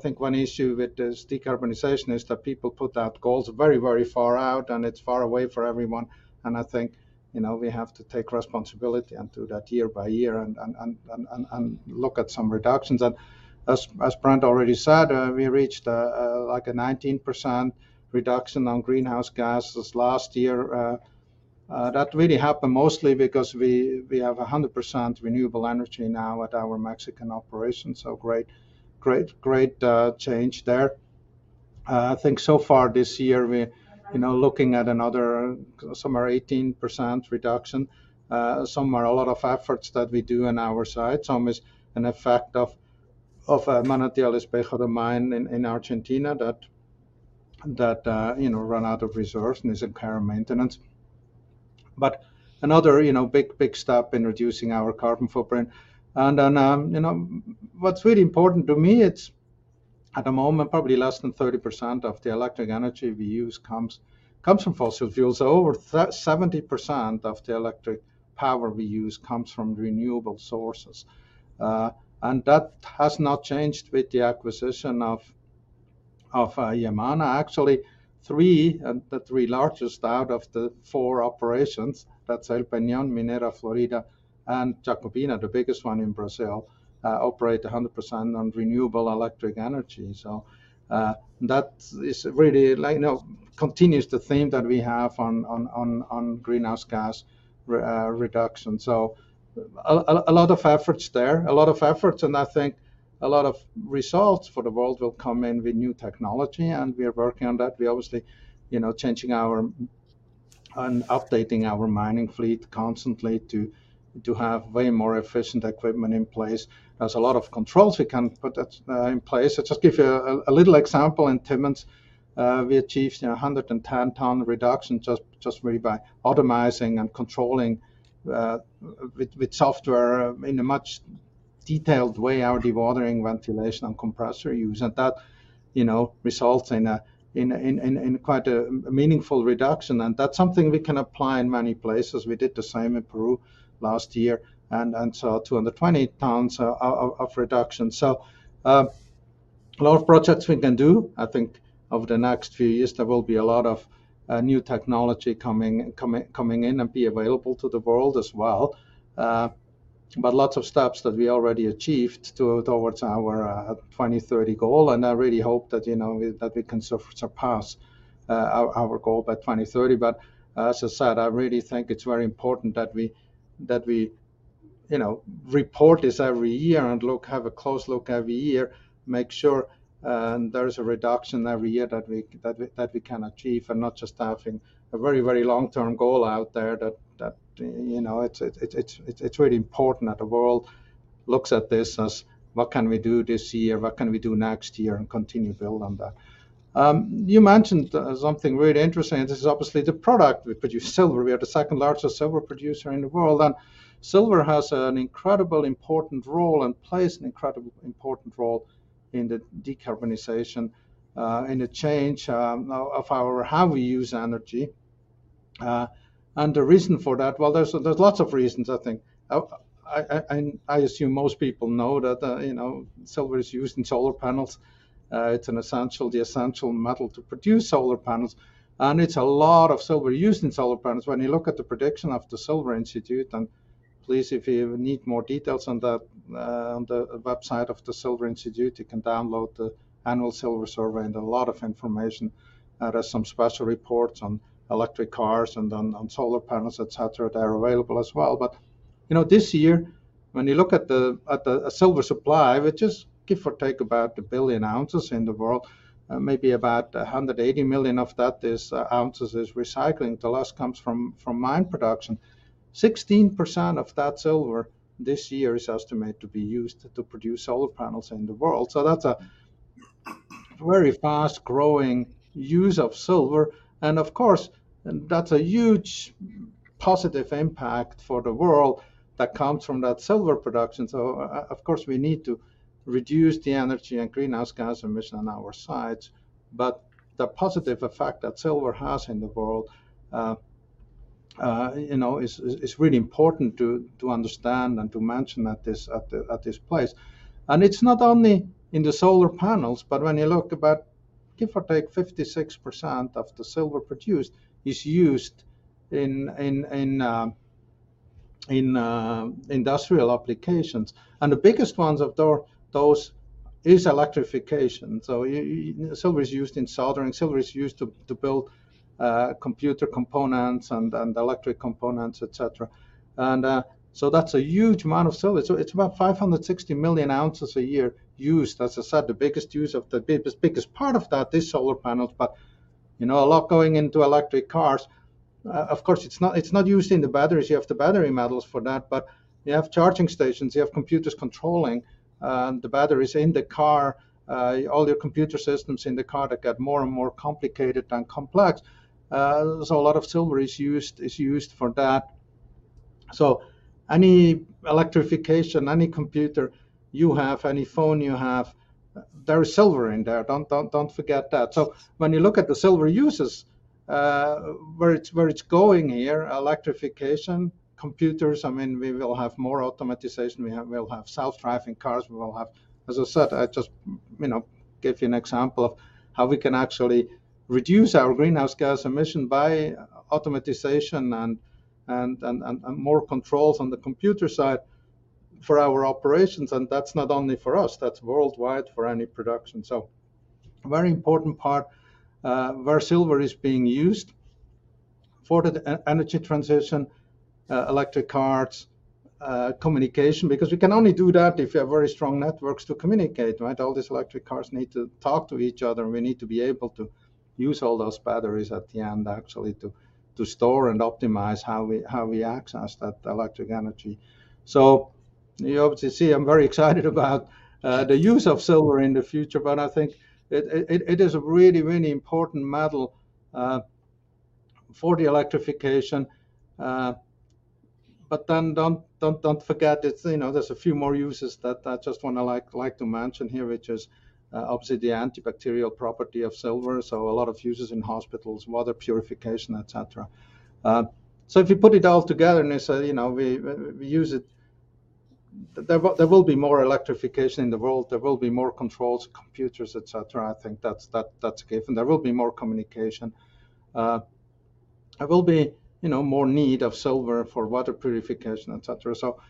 [SPEAKER 4] think one issue with this decarbonization is that people put out goals very, very far out, and it's far away for everyone. I think, you know, we have to take responsibility and do that year by year and look at some reductions. As Brent already said, like a 19% reduction on greenhouse gases last year. That really happened mostly because we have 100% renewable energy now at our Mexican operation, so great, great, great change there. I think so far this year, we're, you know, looking at another somewhere 18% reduction. Some are a lot of efforts that we do on our side. Some is an effect of Manantial Espejo, the mine in Argentina, that, you know, run out of resource and is in care and maintenance. But another, you know, big, big step in reducing our carbon footprint. Then, you know, what's really important to me, it's at the moment, probably less than 30% of the electric energy we use comes from fossil fuels. So over 70% of the electric power we use comes from renewable sources, and that has not changed with the acquisition of Yamana. Actually, the three largest out of the four operations, that's El Peñón, Minera Florida, and Jacobina, the biggest one in Brazil, operate 100% on renewable electric energy. So, that is really like, you know, continues the theme that we have on greenhouse gas reduction. So a lot of efforts there, a lot of efforts, and I think a lot of results for the world will come in with new technology, and we are working on that. We obviously, you know, changing our, and updating our mining fleet constantly to, to have way more efficient equipment in place. There's a lot of controls we can put that in place. Just give you a little example. In Timmins, we achieved, you know, 110-tonne reduction just really by automating and controlling with software in a much detailed way, our dewatering, ventilation, and compressor use. And that, you know, results in quite a meaningful reduction, and that's something we can apply in many places. We did the same in Peru last year, and saw 220 tonnes of reduction. So, a lot of projects we can do. I think over the next few years, there will be a lot of new technology coming in and be available to the world as well. But lots of steps that we already achieved towards our 2030 goal, and I really hope that, you know, that we can surpass our goal by 2030. But as I said, I really think it's very important that we you know, report this every year and look, have a close look every year, make sure there is a reduction every year that we can achieve, and not just having a very, very long-term goal out there that, you know, it's really important that the world looks at this as: What can we do this year? What can we do next year? And continue to build on that. You mentioned something really interesting, and this is obviously the product we produce, silver. We are the second-largest silver producer in the world, and silver has an incredible important role and plays an incredibly important role in the decarbonization, in the change, of, of how we use energy. And the reason for that, well, there's, there's lots of reasons, I think. I, I, and I assume most people know that, you know, silver is used in solar panels. It's an essential- the essential metal to produce solar panels, and it's a lot of silver used in solar panels. When you look at the prediction of the Silver Institute, and please, if you need more details on that, on the website of the Silver Institute, you can download the Annual Silver Survey and a lot of information. There are some special reports on electric cars and on solar panels, et cetera, that are available as well. But, you know, this year, when you look at the silver supply, which is, give or take, about 1 billion ounces in the world, maybe about 180 million of that is ounces is recycling. The rest comes from mine production. 16% of that silver this year is estimated to be used to produce solar panels in the world. So that's a very fast-growing use of silver, and of course, that's a huge positive impact for the world that comes from that silver production. Of course, we need to reduce the energy and greenhouse gas emission on our sides, but the positive effect that silver has in the world, you know, is really important to understand and to mention at this place. And it's not only in the solar panels, but when you look about, give or take, 56% of the silver produced is used in industrial applications, and the biggest ones of those is electrification. So silver is used in soldering, silver is used to build computer components and electric components, et cetera. And so that's a huge amount of silver. So it's about 560 million ounces a year used. As I said, the biggest use of the biggest part of that is solar panels, but, you know, a lot going into electric cars. Of course, it's not, it's not used in the batteries. You have the battery metals for that, but you have charging stations, you have computers controlling the batteries in the car, all the computer systems in the car that get more and more complicated and complex. So a lot of silver is used for that. So any electrification, any computer you have, any phone you have, there is silver in there. Don't forget that. So when you look at the silver uses, where it's going here, electrification, computers, I mean, we will have more automation. We'll have self-driving cars. We will have As I said, I just, you know, gave you an example of how we can actually reduce our greenhouse gas emission by automation and more controls on the computer side for our operations, and that's not only for us, that's worldwide for any production. So a very important part, where silver is being used for the energy transition, electric cars, communication, because we can only do that if we have very strong networks to communicate, right? All these electric cars need to talk to each other, and we need to be able to use all those batteries at the end, actually, to store and optimize how we access that electric energy. So you obviously see, I'm very excited about the use of silver in the future, but I think it is a really, really important metal for the electrification. But then don't forget it's, you know, there's a few more uses that I just wanna like to mention here, which is obviously the antibacterial property of silver, so a lot of uses in hospitals, water purification, et cetera. So if you put it all together and you say, you know, we use it, there will be more electrification in the world. There will be more controls, computers, et cetera. I think that's a given. There will be more communication. There will be, you know, more need of silver for water purification, et cetera. So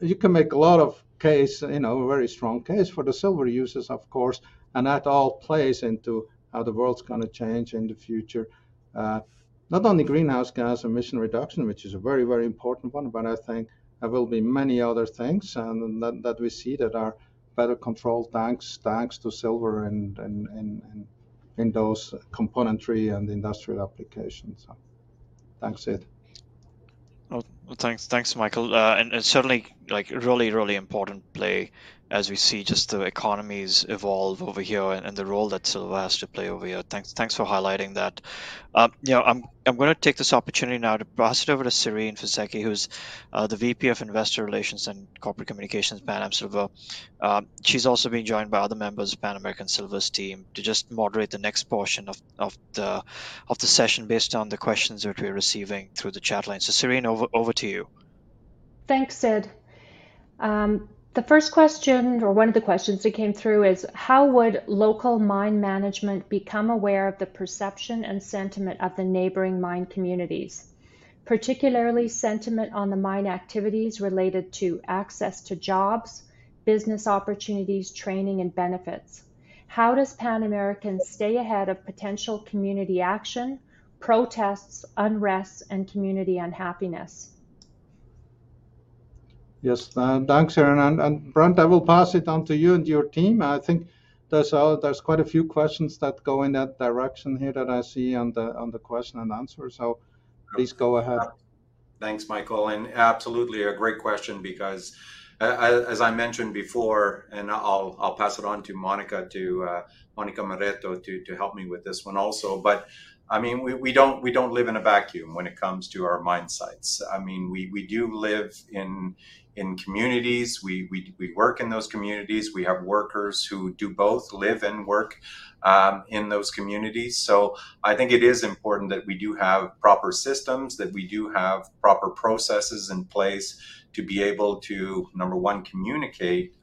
[SPEAKER 4] you can make a lot of case, you know, a very strong case for the silver uses, of course, and that all plays into how the world's gonna change in the future. Not only greenhouse gas emission reduction, which is a very, very important one, but I think there will be many other things and that we see that are better controlled, thanks to silver and in those componentry and industrial applications. So thanks, Sid.
[SPEAKER 3] Well, well, thanks. Thanks, Michael. And certainly, like, a really, really important play as we see just the economies evolve over here and the role that silver has to play over here. Thanks, thanks for highlighting that. You know, I'm gonna take this opportunity now to pass it over to Siren Fisekci, who's the VP of Investor Relations and Corporate Communications, Pan American Silver. She's also being joined by other members of Pan American Silver's team, to just moderate the next portion of the session based on the questions which we're receiving through the chat line. So, Siren, over to you.
[SPEAKER 2] Thanks, Sid. The first question, or one of the questions that came through is: How would local mine management become aware of the perception and sentiment of the neighboring mine communities, particularly sentiment on the mine activities related to access to jobs, business opportunities, training, and benefits? How does Pan American stay ahead of potential community action, protests, unrest, and community unhappiness?
[SPEAKER 4] Yes, thanks, Siren. And Brent, I will pass it on to you and your team. I think there's quite a few questions that go in that direction here that I see on the question and answer, so please go ahead.
[SPEAKER 5] Thanks, Michael, and absolutely a great question because, as I mentioned before, and I'll pass it on to Monica Moretto to help me with this one also. But I mean, we don't live in a vacuum when it comes to our mine sites. I mean, we do live in communities, we work in those communities. We have workers who do both live and work in those communities. So I think it is important that we do have proper systems, that we do have proper processes in place to be able to, number one, communicate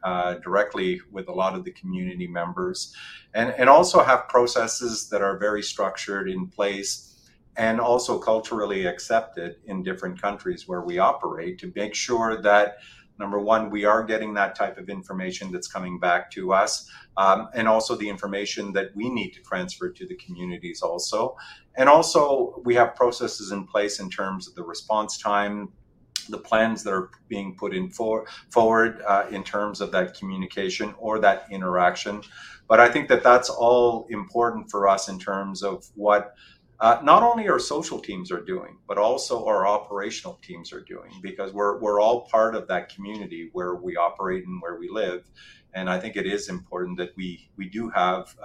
[SPEAKER 5] directly with a lot of the community members. And also have processes that are very structured in place, and also culturally accepted in different countries where we operate, to make sure that, number one, we are getting that type of information that's coming back to us, and also the information that we need to transfer to the communities also. And also, we have processes in place in terms of the response time, the plans that are being put forward, in terms of that communication or that interaction. But I think that that's all important for us in terms of what, not only our social teams are doing, but also our operational teams are doing. Because we're all part of that community where we operate and where we live, and I think it is important that we do have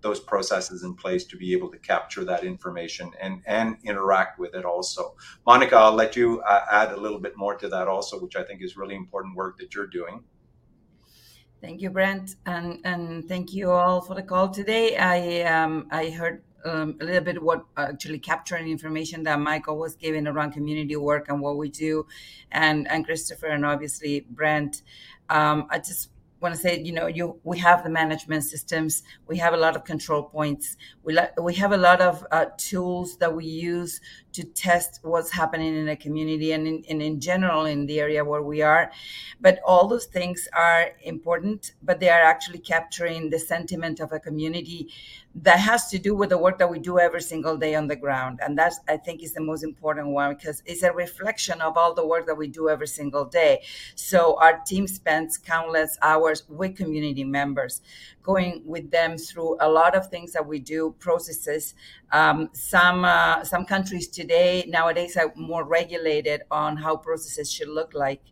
[SPEAKER 5] those processes in place to be able to capture that information and interact with it also. Monica, I'll let you add a little bit more to that also, which I think is really important work that you're doing.
[SPEAKER 7] Thank you, Brent, and thank you all for the call today. I heard a little bit, actually capturing information that Michael was giving around community work and what we do, and Christopher, and obviously Brent. I just wanna say, you know, we have the management systems, we have a lot of control points, we have a lot of tools that we use to test what's happening in a community and in general, in the area where we are. But all those things are important, but they are actually capturing the sentiment of a community that has to do with the work that we do every single day on the ground, and that, I think, is the most important one because it's a reflection of all the work that we do every single day. So our team spends countless hours with community members, going with them through a lot of things that we do, processes. Some countries today, nowadays, are more regulated on how processes should look like,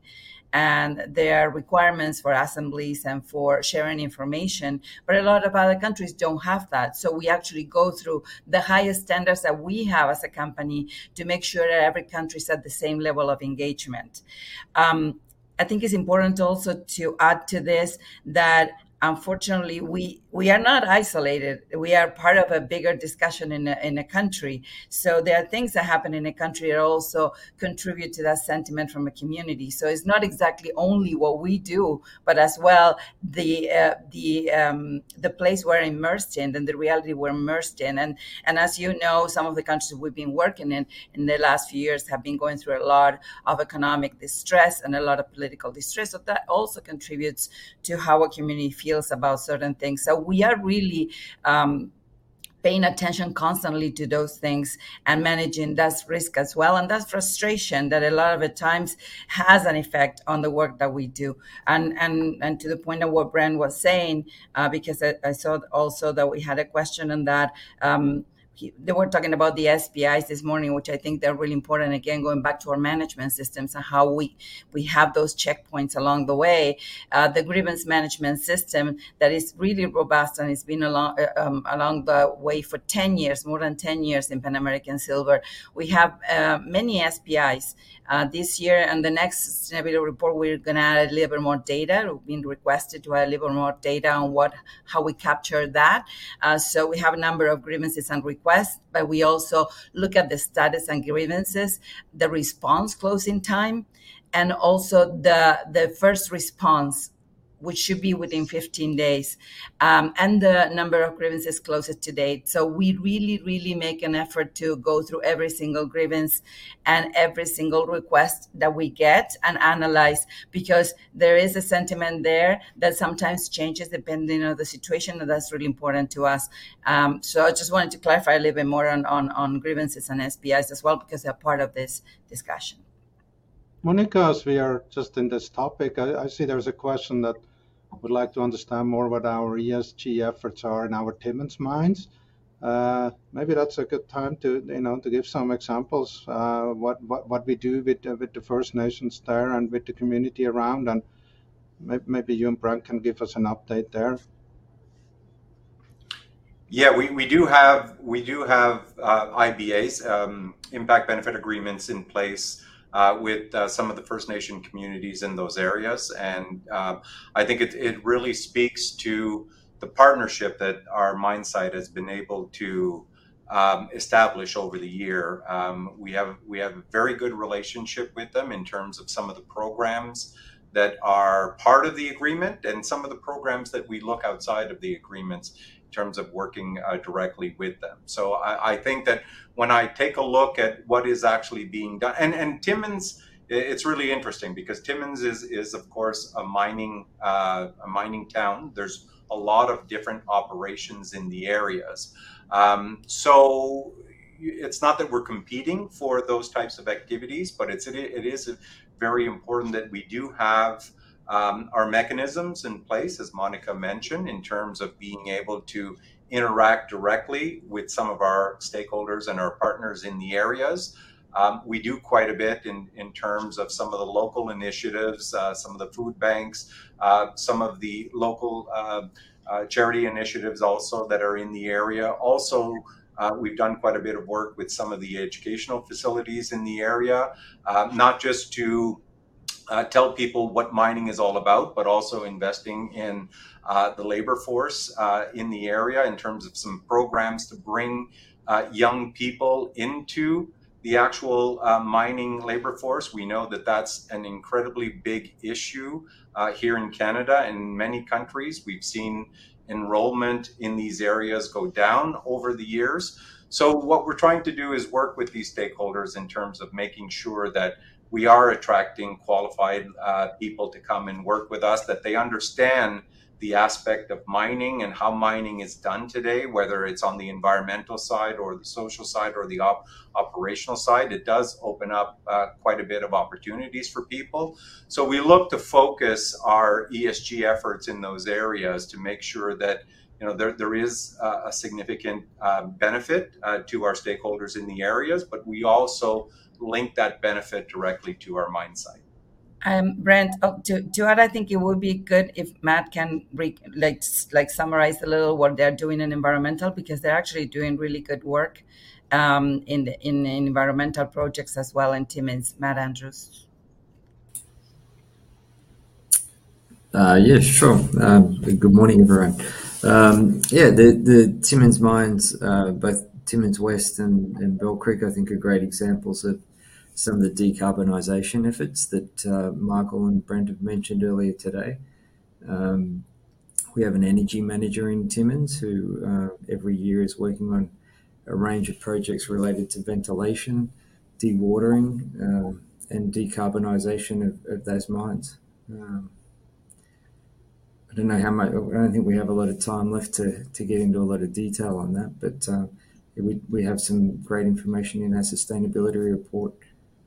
[SPEAKER 7] and there are requirements for assemblies and for sharing information, but a lot of other countries don't have that. So we actually go through the highest standards that we have as a company to make sure that every country is at the same level of engagement. I think it's important also to add to this, that unfortunately, we are not isolated, we are part of a bigger discussion in a country. So there are things that happen in a country that also contribute to that sentiment from a community. So it's not exactly only what we do, but as well, the place we're immersed in and the reality we're immersed in. And as you know, some of the countries we've been working in, in the last few years have been going through a lot of economic distress and a lot of political distress, so that also contributes to how a community feels about certain things. So we are really paying attention constantly to those things and managing that risk as well, and that frustration that a lot of the times has an effect on the work that we do. And to the point of what Brent was saying, because I saw also that we had a question on that. They were talking about the SPIs this morning, which I think they're really important, again, going back to our management systems and how we have those checkpoints along the way. The grievance management system, that is really robust, and it's been along the way for 10 years, more than 10 years in Pan American Silver. We have many SPIs this year, and the next sustainability report, we're gonna add a little bit more data. We've been requested to add a little more data on what - how we capture that. So we have a number of grievances and requests, but we also look at the status and grievances, the response closing time, and also the first response, which should be within 15 days, and the number of grievances closed to date. We really, really make an effort to go through every single grievance and every single request that we get and analyze, because there is a sentiment there that sometimes changes depending on the situation, and that's really important to us. I just wanted to clarify a little bit more on grievances and SPIs as well, because they're part of this discussion.
[SPEAKER 4] Monica, as we are just in this topic, I see there is a question that would like to understand more what our ESG efforts are in our Timmins mines. Maybe that's a good time to, you know, to give some examples, what we do with the First Nations there and with the community around, and maybe you and Brent can give us an update there.
[SPEAKER 5] Yeah, we, we do have, we do have, IBAs, Impact Benefit Agreements in place, with, some of the First Nation communities in those areas. And, I think it, it really speaks to the partnership that our mine site has been able to, establish over the year. We have, we have a very good relationship with them in terms of some of the programs that are part of the agreement, and some of the programs that we look outside of the agreements in terms of working, directly with them. So I, I think that when I take a look at what is actually being done. And, and Timmins, it's really interesting because Timmins is, of course, a mining, a mining town. There's a lot of different operations in the areas. So it's not that we're competing for those types of activities, but it's, it is very important that we do have our mechanisms in place, as Monica mentioned, in terms of being able to interact directly with some of our stakeholders and our partners in the areas. We do quite a bit in terms of some of the local initiatives, some of the food banks, some of the local charity initiatives also that are in the area. Also, we've done quite a bit of work with some of the educational facilities in the area, not just to tell people what mining is all about, but also investing in the labor force in the area in terms of some programs to bring young people into the actual mining labor force. We know that that's an incredibly big issue here in Canada and many countries. We've seen enrollment in these areas go down over the years. So what we're trying to do is work with these stakeholders in terms of making sure that we are attracting qualified people to come and work with us, that they understand the aspect of mining and how mining is done today, whether it's on the environmental side or the social side or the operational side. It does open up quite a bit of opportunities for people. So we look to focus our ESG efforts in those areas to make sure that, you know, there, there is a, a significant benefit to our stakeholders in the areas, but we also link that benefit directly to our mine site.
[SPEAKER 7] Brent, to add, I think it would be good if Matt can like, like summarize a little what they're doing in environmental, because they're actually doing really good work, in the environmental projects as well, in Timmins. Matt Andrews?
[SPEAKER 8] Yeah, sure. Good morning, everyone. Yeah, the Timmins mines, both Timmins West and Bell Creek, I think are great examples of some of the decarbonization efforts that Michael and Brent have mentioned earlier today. We have an energy manager in Timmins, who every year is working on a range of projects related to ventilation, dewatering, and decarbonization of those mines. I don't know how much. I don't think we have a lot of time left to get into a lot of detail on that, but we have some great information in our sustainability report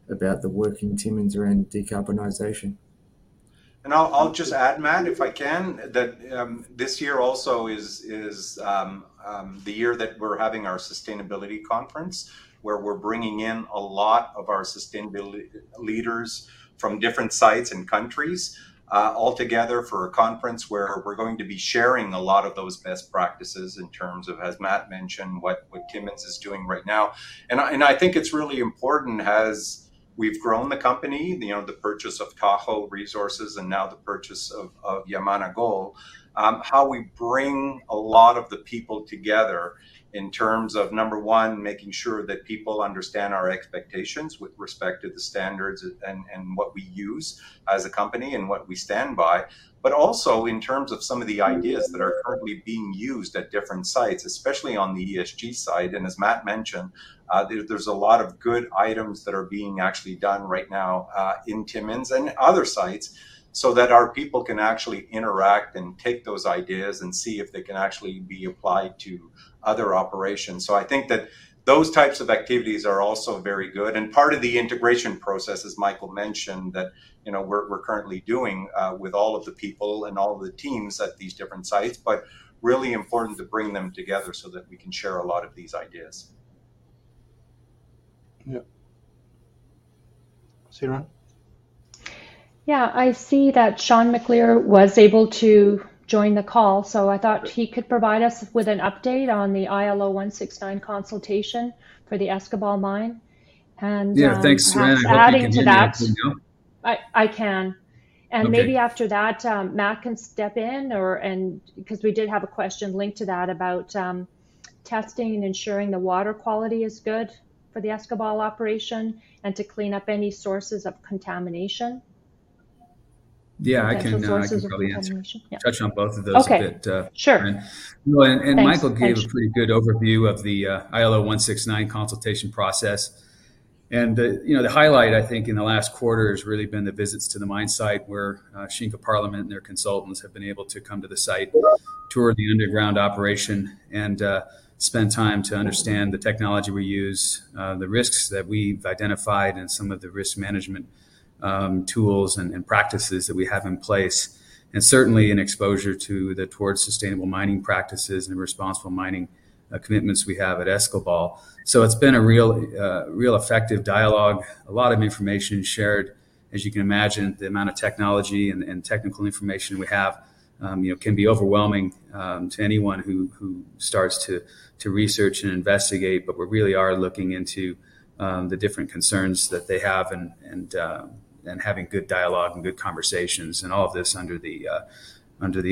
[SPEAKER 8] about the work in Timmins around decarbonization.
[SPEAKER 5] I'll just add, Matt, if I can, that this year also is the year that we're having our sustainability conference, where we're bringing in a lot of our sustainability leaders from different sites and countries all together for a conference where we're going to be sharing a lot of those best practices in terms of, as Matt mentioned, what Timmins is doing right now. I think it's really important as we've grown the company, you know, the purchase of Tahoe Resources, and now the purchase of Yamana Gold, how we bring a lot of the people together in terms of, number one, making sure that people understand our expectations with respect to the standards and what we use as a company and what we stand by, but also in terms of some of the ideas that are currently being used at different sites, especially on the ESG side. As Matt mentioned, there's a lot of good items that are being actually done right now in Timmins and other sites, so that our people can actually interact and take those ideas and see if they can actually be applied to other operations. I think that those types of activities are also very good, and part of the integration process, as Michael mentioned, that, you know, we're currently doing with all of the people and all of the teams at these different sites, but really important to bring them together so that we can share a lot of these ideas.
[SPEAKER 8] Yeah. Siren?
[SPEAKER 2] Yeah, I see that Sean McAleer was able to join the call, so I thought he could provide us with an update on the ILO 169 consultation for the Escobal mine.
[SPEAKER 9] Yeah, thanks, Siren.
[SPEAKER 2] Adding to that-
[SPEAKER 9] I hope you can hear me okay.
[SPEAKER 2] I can.
[SPEAKER 9] Okay.
[SPEAKER 2] Maybe after that, Matt can step in because we did have a question linked to that about testing and ensuring the water quality is good for the Escobal operation, and to clean up any sources of contamination.
[SPEAKER 9] Yeah, I can, I can probably answer-
[SPEAKER 2] Contamination, yeah
[SPEAKER 9] Touch on both of those a bit,
[SPEAKER 2] Okay, sure.
[SPEAKER 9] Well, and-
[SPEAKER 2] Thanks
[SPEAKER 9] Michael gave a pretty good overview of the ILO 169 consultation process. And the, you know, the highlight, I think, in the last quarter has really been the visits to the mine site, where Xinka Parliament and their consultants have been able to come to the site, tour the underground operation, and spend time to understand the technology we use, the risks that we've identified, and some of the risk management tools and practices that we have in place, and certainly an exposure to the Towards Sustainable Mining practices and responsible mining commitments we have at Escobal. So it's been a real real effective dialogue, a lot of information shared. As you can imagine, the amount of technology and technical information we have, you know, can be overwhelming to anyone who starts to research and investigate, but we really are looking into the different concerns that they have and having good dialogue and good conversations, and all of this under the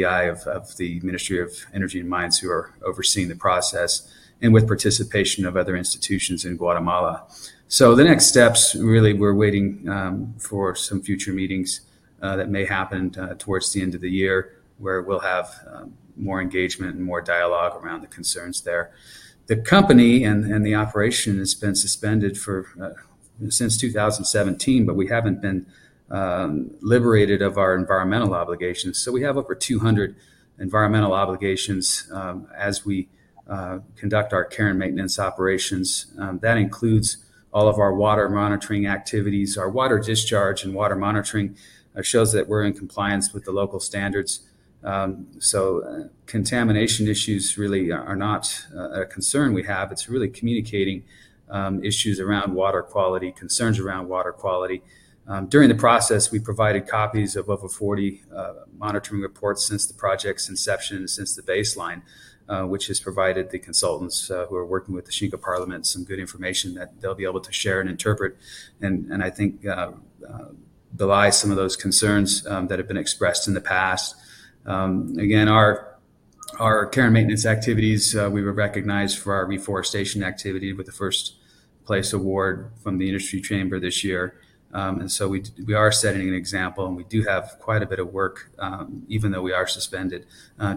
[SPEAKER 9] eye of the Ministry of Energy and Mines, who are overseeing the process, and with participation of other institutions in Guatemala. So the next steps, really, we're waiting for some future meetings that may happen towards the end of the year, where we'll have more engagement and more dialogue around the concerns there. The company and the operation has been suspended since 2017, but we haven't been liberated of our environmental obligations. So we have over 200 environmental obligations, as we conduct our care and maintenance operations. That includes all of our water monitoring activities. Our water discharge and water monitoring shows that we're in compliance with the local standards. So contamination issues really are not a concern we have. It's really communicating issues around water quality, concerns around water quality. During the process, we provided copies of over 40 monitoring reports since the project's inception and since the baseline, which has provided the consultants who are working with the Xinka Parliament some good information that they'll be able to share and interpret, and I think belies some of those concerns that have been expressed in the past. Again, our- Our care and maintenance activities, we were recognized for our reforestation activity with the first place award from the industry chamber this year. So we are setting an example, and we do have quite a bit of work, even though we are suspended,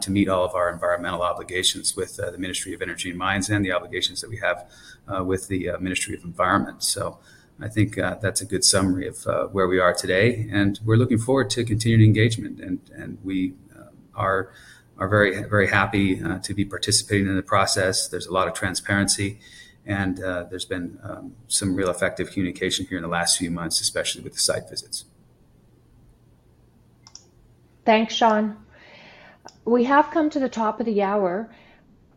[SPEAKER 9] to meet all of our environmental obligations with the Ministry of Energy and Mines and the obligations that we have with the Ministry of Environment. So I think that's a good summary of where we are today, and we're looking forward to continued engagement, and we are very, very happy to be participating in the process. There's a lot of transparency, and there's been some real effective communication here in the last few months, especially with the site visits.
[SPEAKER 2] Thanks, Sean. We have come to the top of the hour.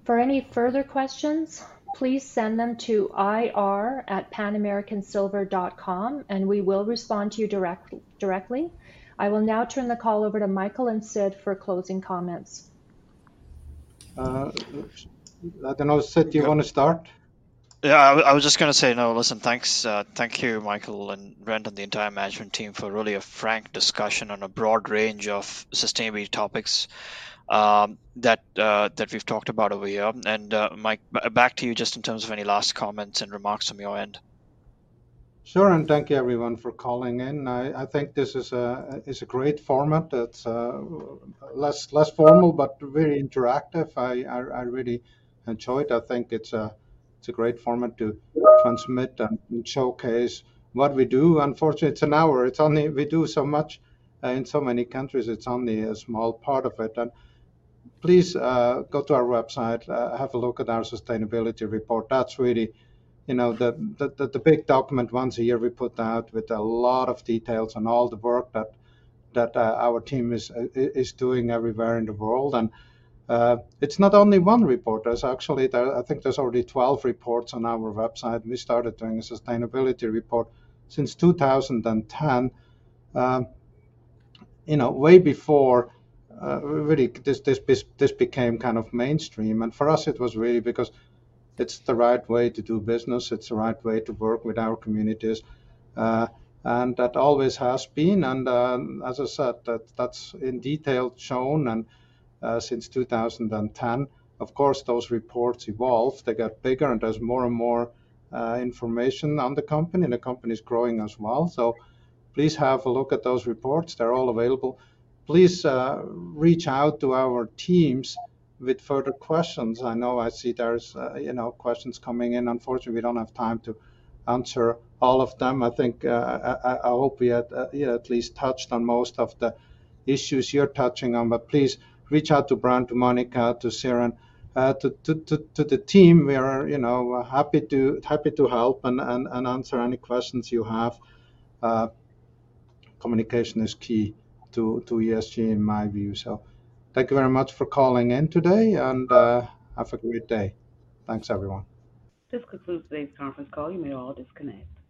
[SPEAKER 2] For any further questions, please send them to ir@panamericansilver.com, and we will respond to you directly. I will now turn the call over to Michael and Sid for closing comments.
[SPEAKER 4] I don't know, Sid, do you wanna start?
[SPEAKER 3] Yeah, I was just gonna say, no, listen, thanks, thank you, Michael and Brent and the entire management team for really a frank discussion on a broad range of sustainability topics, that we've talked about over here. And, Mike, back to you just in terms of any last comments and remarks from your end.
[SPEAKER 4] Sure, and thank you everyone for calling in. I think this is a great format that's less formal, but very interactive. I really enjoyed it. I think it's a great format to transmit and showcase what we do. Unfortunately, it's an hour. It's only. We do so much in so many countries. It's only a small part of it. And please go to our website, have a look at our sustainability report. That's really, you know, the big document once a year we put out with a lot of details on all the work that our team is doing everywhere in the world. And it's not only one report. There's actually, I think there's already 12 reports on our website, and we started doing a sustainability report since 2010. You know, way before, really, this became kind of mainstream, and for us it was really because it's the right way to do business, it's the right way to work with our communities, and that always has been, and, as I said, that's in detail shown and, since 2010, of course, those reports evolved, they got bigger, and there's more and more information on the company, and the company's growing as well. So please have a look at those reports. They're all available. Please, reach out to our teams with further questions. I know I see there's, you know, questions coming in. Unfortunately, we don't have time to answer all of them. I think I hope we, you know, at least touched on most of the issues you're touching on. But please reach out to Brent, to Monica, to Siren, to the team. We are, you know, happy to help and answer any questions you have. Communication is key to ESG, in my view. So thank you very much for calling in today, and have a great day. Thanks, everyone.
[SPEAKER 1] This concludes today's conference call. You may all disconnect.